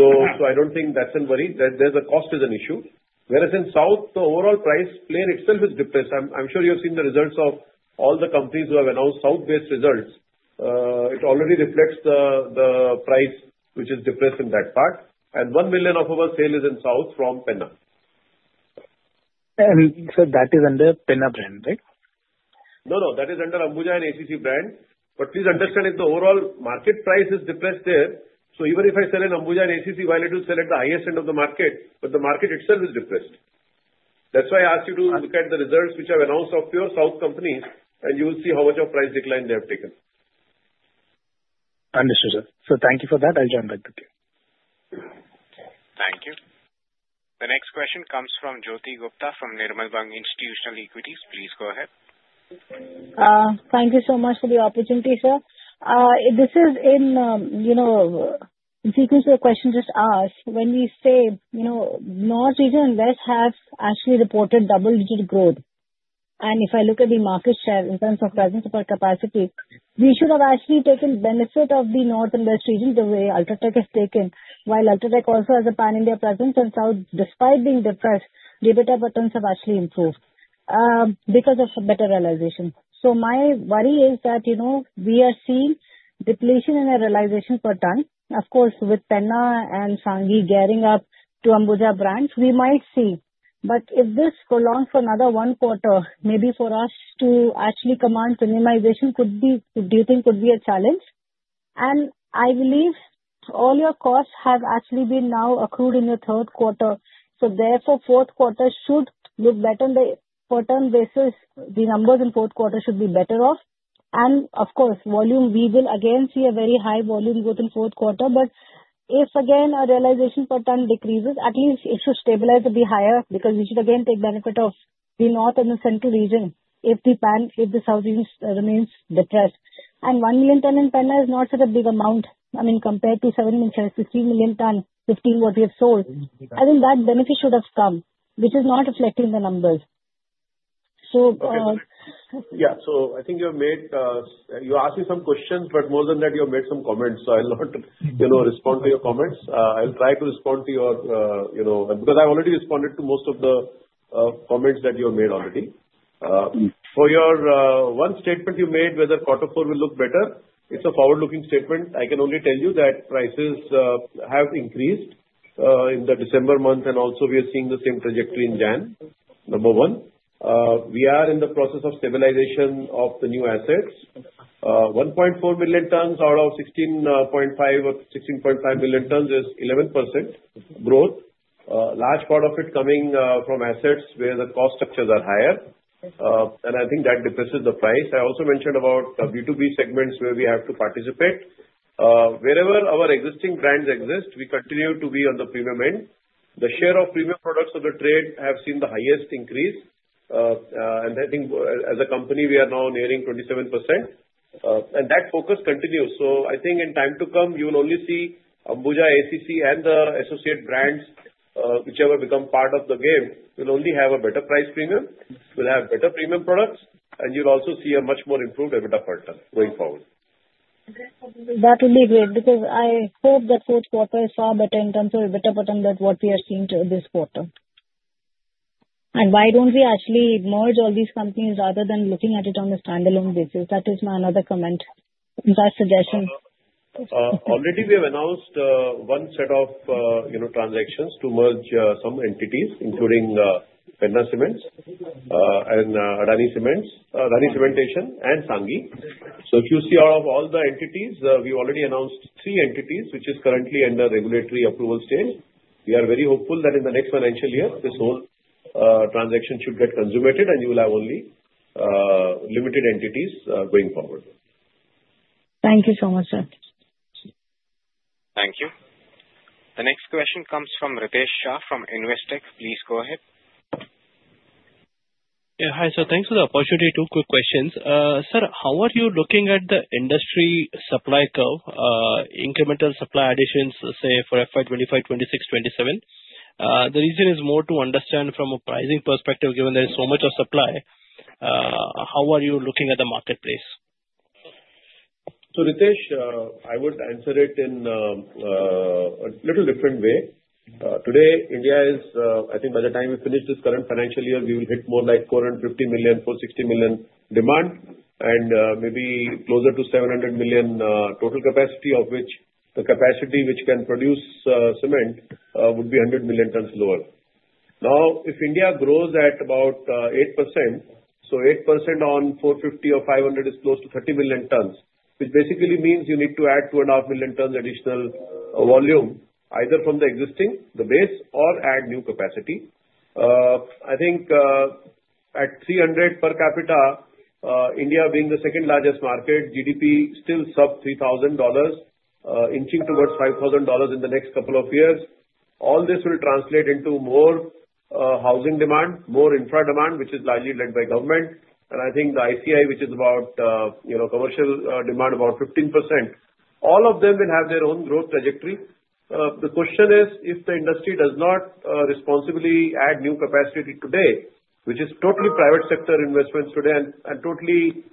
So I don't think that's a worry. The cost is an issue. Whereas in south, the overall price play itself is depressed. I'm sure you have seen the results of all the companies who have announced south-based results. It already reflects the price, which is depressed in that part. And one million of our sale is in south from Penna. And so that is under Penna brand, right? No, no. That is under Ambuja and ACC brand. But please understand, if the overall market price is depressed there, so even if I sell in Ambuja and ACC, while it will sell at the highest end of the market, but the market itself is depressed. That's why I asked you to look at the results which I've announced of your south companies, and you will see how much of price decline they have taken. Understood, sir. So thank you for that. I'll join back the queue. Thank you. The next question comes from Jyoti Gupta from Nirmal Bang Institutional Equities. Please go ahead. Thank you so much for the opportunity, sir. This is in sequence to the question just asked. When we say north region and west have actually reported double-digit growth, and if I look at the market share in terms of presence of our capacity, we should have actually taken benefit of the north and west region the way UltraTech has taken, while UltraTech also has a pan-India presence in south. Despite being depressed, debtor patterns have actually improved because of better realization. So my worry is that we are seeing depletion in our realization per ton. Of course, with Penna and Sanghi gearing up to Ambuja brands, we might see. But if this prolongs for another one quarter, maybe for us to actually command premiumization could be, do you think could be a challenge? And I believe all your costs have actually been now accrued in the third quarter. So therefore, fourth quarter should look better in the per ton basis. The numbers in fourth quarter should be better off. And of course, volume, we will again see a very high volume both in fourth quarter. But if again our realization per ton decreases, at least it should stabilize to be higher because we should again take benefit of the north and the central region if the south region remains depressed. And one million ton in Penna is not such a big amount. I mean, compared to seven million, 15 million ton, 15 what we have sold, I think that benefit should have come, which is not reflecting the numbers. So yeah. So I think you have made you asked me some questions, but more than that, you have made some comments. So I'll not respond to your comments. I'll try to respond to your because I already responded to most of the comments that you have made already. For your one statement you made, whether quarter four will look better, it's a forward-looking statement. I can only tell you that prices have increased in the December month, and also we are seeing the same trajectory in January. Number one, we are in the process of stabilization of the new assets. 1.4 million tons out of 16.5 million tons is 11% growth. Large part of it coming from assets where the cost structures are higher, and I think that depresses the price. I also mentioned about B2B segments where we have to participate. Wherever our existing brands exist, we continue to be on the premium end. The share of premium products of the trade have seen the highest increase, and I think as a company, we are now nearing 27%. And that focus continues, so I think in time to come, you will only see Ambuja ACC and the associate brands, whichever become part of the game, will only have a better price premium. We'll have better premium products, and you'll also see a much more improved EBITDA per ton going forward. That would be great because I hope that fourth quarter is far better in terms of EBITDA per ton than what we are seeing this quarter. And why don't we actually merge all these companies rather than looking at it on a standalone basis? That is my another comment or suggestion. Already, we have announced one set of transactions to merge some entities, including Penna Cement and Adani Cement, Adani Cementation, and Sanghi. So if you see out of all the entities, we've already announced three entities, which is currently under regulatory approval stage. We are very hopeful that in the next financial year, this whole transaction should get consummated, and you will have only limited entities going forward. Thank you so much, sir. Thank you. The next question comes from Ritesh Shah from Investec. Please go ahead. Yeah. Hi, sir. Thanks for the opportunity. Two quick questions. Sir, how are you looking at the industry supply curve, incremental supply additions, say, for FY 2025, 2026, 2027? The reason is more to understand from a pricing perspective, given there is so much of supply. How are you looking at the marketplace? So Ritesh, I would answer it in a little different way. Today, India is, I think by the time we finish this current financial year, we will hit more like 450 million-460 million demand, and maybe closer to 700 million total capacity, of which the capacity which can produce cement would be 100 million tons lower. Now, if India grows at about 8%, so 8% on 450 or 500 is close to 30 million tons, which basically means you need to add 2.5 million tons additional volume, either from the existing, the base, or add new capacity. I think at 300 per capita, India being the second largest market, GDP still sub $3,000, inching towards $5,000 in the next couple of years. All this will translate into more housing demand, more infra demand, which is largely led by government. I think the ICI, which is about commercial demand, about 15%. All of them will have their own growth trajectory. The question is, if the industry does not responsibly add new capacity today, which is totally private sector investments today and totally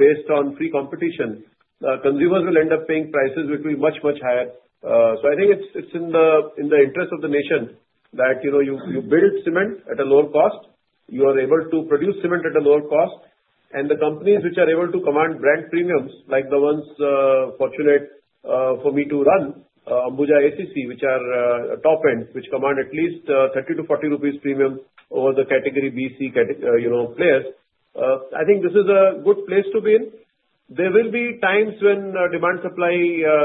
based on free competition, consumers will end up paying prices which will be much, much higher. I think it's in the interest of the nation that you build cement at a lower cost, you are able to produce cement at a lower cost, and the companies which are able to command brand premiums, like the ones fortunate for me to run, Ambuja ACC, which are top-end, which command at least 30-40 rupees premium over the category BC players. I think this is a good place to be in. There will be times when demand supply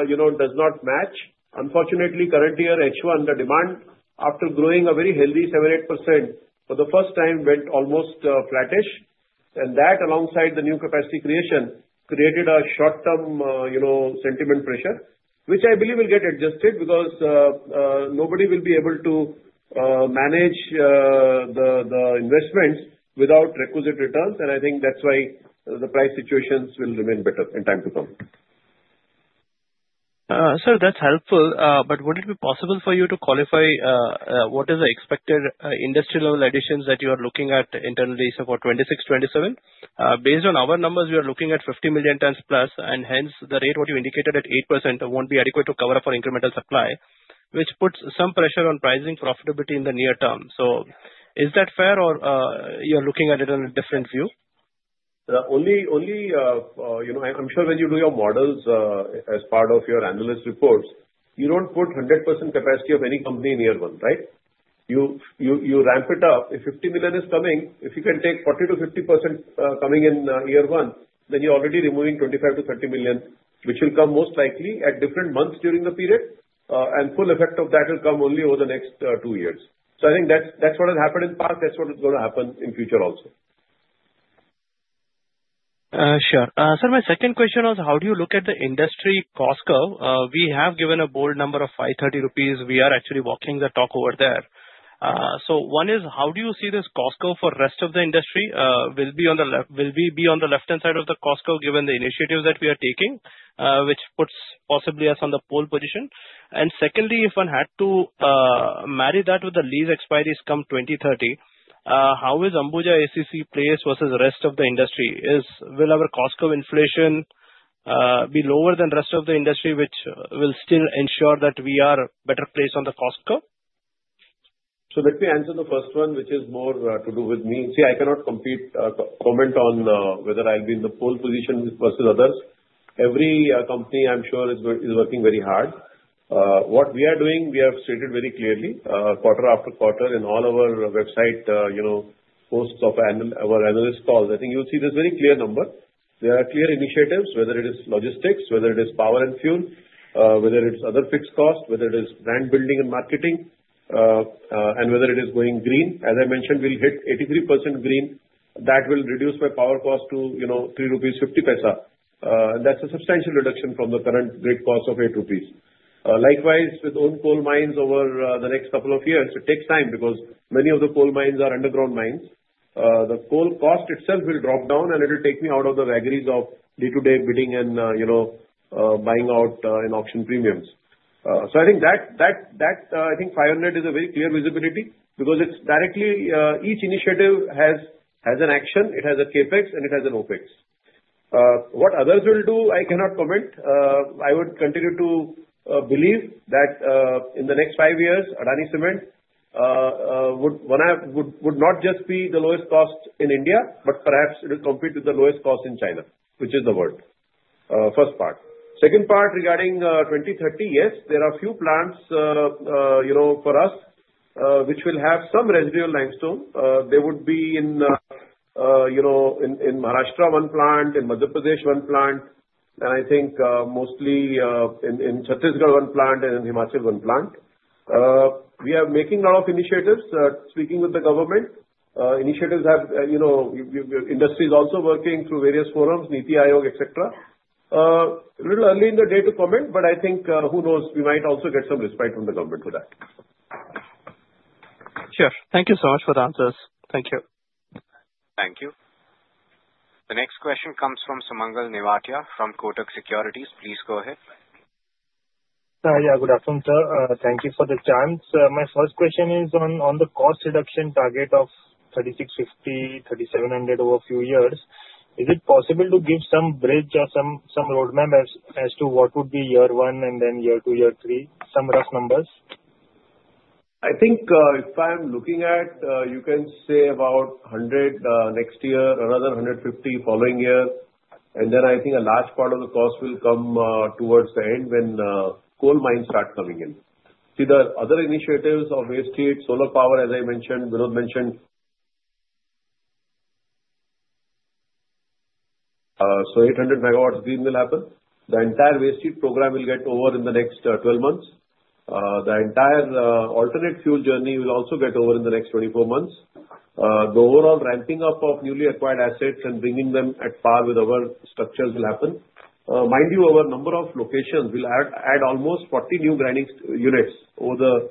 does not match. Unfortunately, current year, H1, the demand after growing a very healthy 7%-8% for the first time went almost flattish. And that, alongside the new capacity creation, created a short-term sentiment pressure, which I believe will get adjusted because nobody will be able to manage the investments without requisite returns. And I think that's why the price situations will remain better in time to come. Sir, that's helpful. But would it be possible for you to qualify what is the expected industry-level additions that you are looking at internally, so for 2026, 2027? Based on our numbers, we are looking at 50 million tons plus, and hence the rate what you indicated at 8% won't be adequate to cover up for incremental supply, which puts some pressure on pricing profitability in the near term. So is that fair, or you're looking at it on a different view? Only I'm sure when you do your models as part of your analyst reports, you don't put 100% capacity of any company in year one, right? You ramp it up. If 50 million is coming, if you can take 40%-50% coming in year one, then you're already removing 25 to 30 million, which will come most likely at different months during the period. Full effect of that will come only over the next two years. I think that's what has happened in the past. That's what is going to happen in future also. Sure. Sir, my second question was, how do you look at the industry cost curve? We have given a bold number of 530 rupees. We are actually walking the talk over there. One is, how do you see this cost curve for the rest of the industry? Will we be on the left-hand side of the cost curve given the initiatives that we are taking, which puts possibly us on the pole position? Secondly, if one had to marry that with the lease expiry come 2030, how is Ambuja ACC placed versus the rest of the industry? Will our cost curve inflation be lower than the rest of the industry, which will still ensure that we are better placed on the cost curve? So let me answer the first one, which is more to do with me. See, I cannot comment on whether I'll be in the pole position versus others. Every company, I'm sure, is working very hard. What we are doing, we have stated very clearly quarter after quarter in all our website posts of our analyst calls. I think you'll see this very clear number. There are clear initiatives, whether it is logistics, whether it is power and fuel, whether it's other fixed costs, whether it is brand building and marketing, and whether it is going green. As I mentioned, we'll hit 83% green. That will reduce my power cost to 3.50 rupees. And that's a substantial reduction from the current grid cost of 8 rupees. Likewise, with own coal mines over the next couple of years, it takes time because many of the coal mines are underground mines. The coal cost itself will drop down, and it will take me out of the vagaries of day-to-day bidding and buying out in auction premiums. So I think that, I think 500 is a very clear visibility because it's directly each initiative has an action. It has a CapEx, and it has an OpEx. What others will do, I cannot comment. I would continue to believe that in the next five years, Adani Cement would not just be the lowest cost in India, but perhaps it will compete with the lowest cost in China, which is the world. First part. Second part regarding 2030, yes, there are a few plants for us which will have some residual limestone. They would be in Maharashtra, one plant; in Madhya Pradesh, one plant; and I think mostly in Chhattisgarh, one plant; and in Himachal, one plant. We are making a lot of initiatives, speaking with the government. Initiatives have industries also working through various forums, NITI Aayog, etc. A little early in the day to comment, but I think who knows, we might also get some respite from the government for that. Sure. Thank you so much for the answers. Thank you. Thank you. The next question comes from Sumangal Nevatia from Kotak Securities. Please go ahead. Yeah. Good afternoon, sir. Thank you for the chance. My first question is on the cost reduction target of 3650-3700 over a few years. Is it possible to give some bridge or some roadmap as to what would be year one and then year two, year three, some rough numbers? I think if I'm looking at, you can say about 100 next year or another 150 following year. And then I think a large part of the cost will come towards the end when coal mines start coming in. See, the other initiatives of waste heat, solar power, as I mentioned, Vinod mentioned. So 800 MW of green will happen. The entire waste heat program will get over in the next 12 months. The entire alternate fuel journey will also get over in the next 24 months. The overall ramping up of newly acquired assets and bringing them at par with other structures will happen. Mind you, our number of locations will add almost 40 new grinding units over the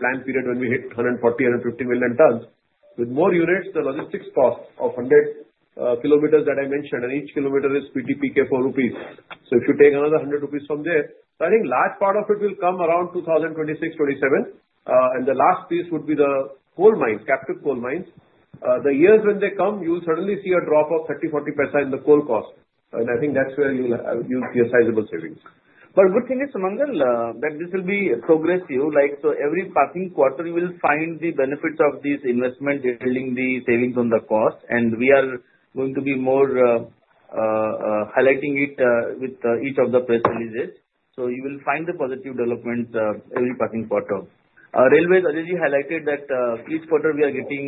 planned period when we hit 140 million tons-150 million tons. With more units, the logistics cost of 100 km that I mentioned, and each kilometer is PTPK INR 4. So if you take another 100 rupees from there, I think a large part of it will come around 2026, 2027. And the last piece would be the coal mines, captive coal mines. The years when they come, you'll suddenly see a drop of 30, 40 paisa in the coal cost. And I think that's where you'll see a sizable savings. But good thing is, Sumangal, that this will be progressive. So every passing quarter, you will find the benefits of these investments yielding the savings on the cost. And we are going to be more highlighting it with each of the press releases. So you will find the positive developments every passing quarter. Railways, Ajay ji highlighted that each quarter we are getting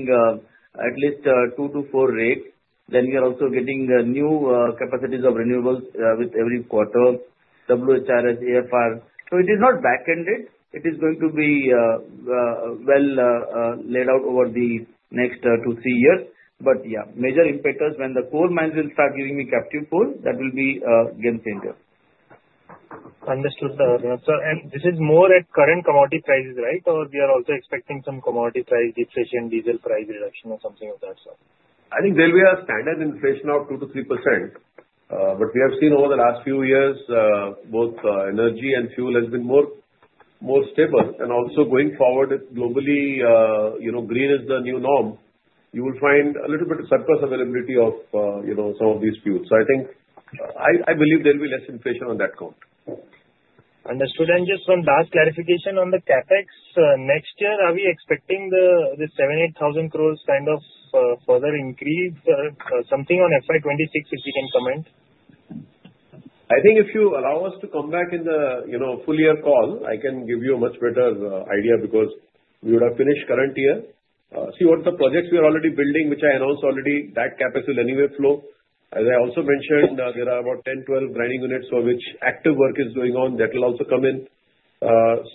at least two to four rakes. Then we are also getting new capacities of renewables with every quarter, WHRS, AFR. So it is not back-ended. It is going to be well laid out over the next two, three years. But yeah, major impetus when the coal mines will start giving me captive coal, that will be game changer. Understood, sir. And this is more at current commodity prices, right? Or we are also expecting some commodity price deflation, diesel price reduction, or something like that, sir? I think there will be a standard inflation of 2%-3%. But we have seen over the last few years, both energy and fuel have been more stable. And also going forward, globally, green is the new norm. You will find a little bit of surplus availability of some of these fuels. So I believe there will be less inflation on that count. Understood. And just one last clarification on the CapEx. Next year, are we expecting the 7000 crore-8000 crore kind of further increase or something on FY 2026, if you can comment? I think if you allow us to come back in the full year call, I can give you a much better idea because we would have finished current year. See, what the projects we are already building, which I announced already, that CapEx will anyway flow. As I also mentioned, there are about 10-12 grinding units for which active work is going on. That will also come in.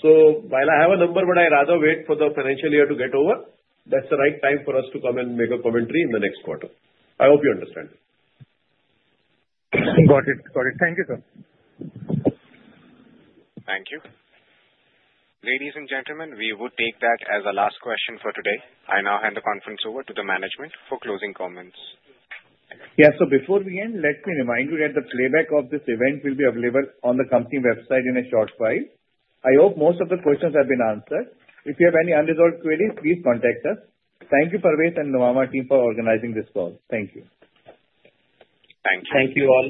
So while I have a number, but I rather wait for the financial year to get over, that's the right time for us to come and make a commentary in the next quarter. I hope you understand. Got it. Got it. Thank you, sir. Thank you. Ladies and gentlemen, we would take that as a last question for today. I now hand the conference over to the management for closing comments. Yeah. So before we end, let me remind you that the playback of this event will be available on the company website in a short while. I hope most of the questions have been answered. If you have any unresolved queries, please contact us. Thank you, Parvez and Nuvama team for organizing this call. Thank you. Thank you. Thank you all.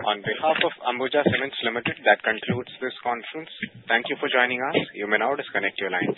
On behalf of Ambuja Cements Limited, that concludes this conference. Thank you for joining us. You may now disconnect your lines.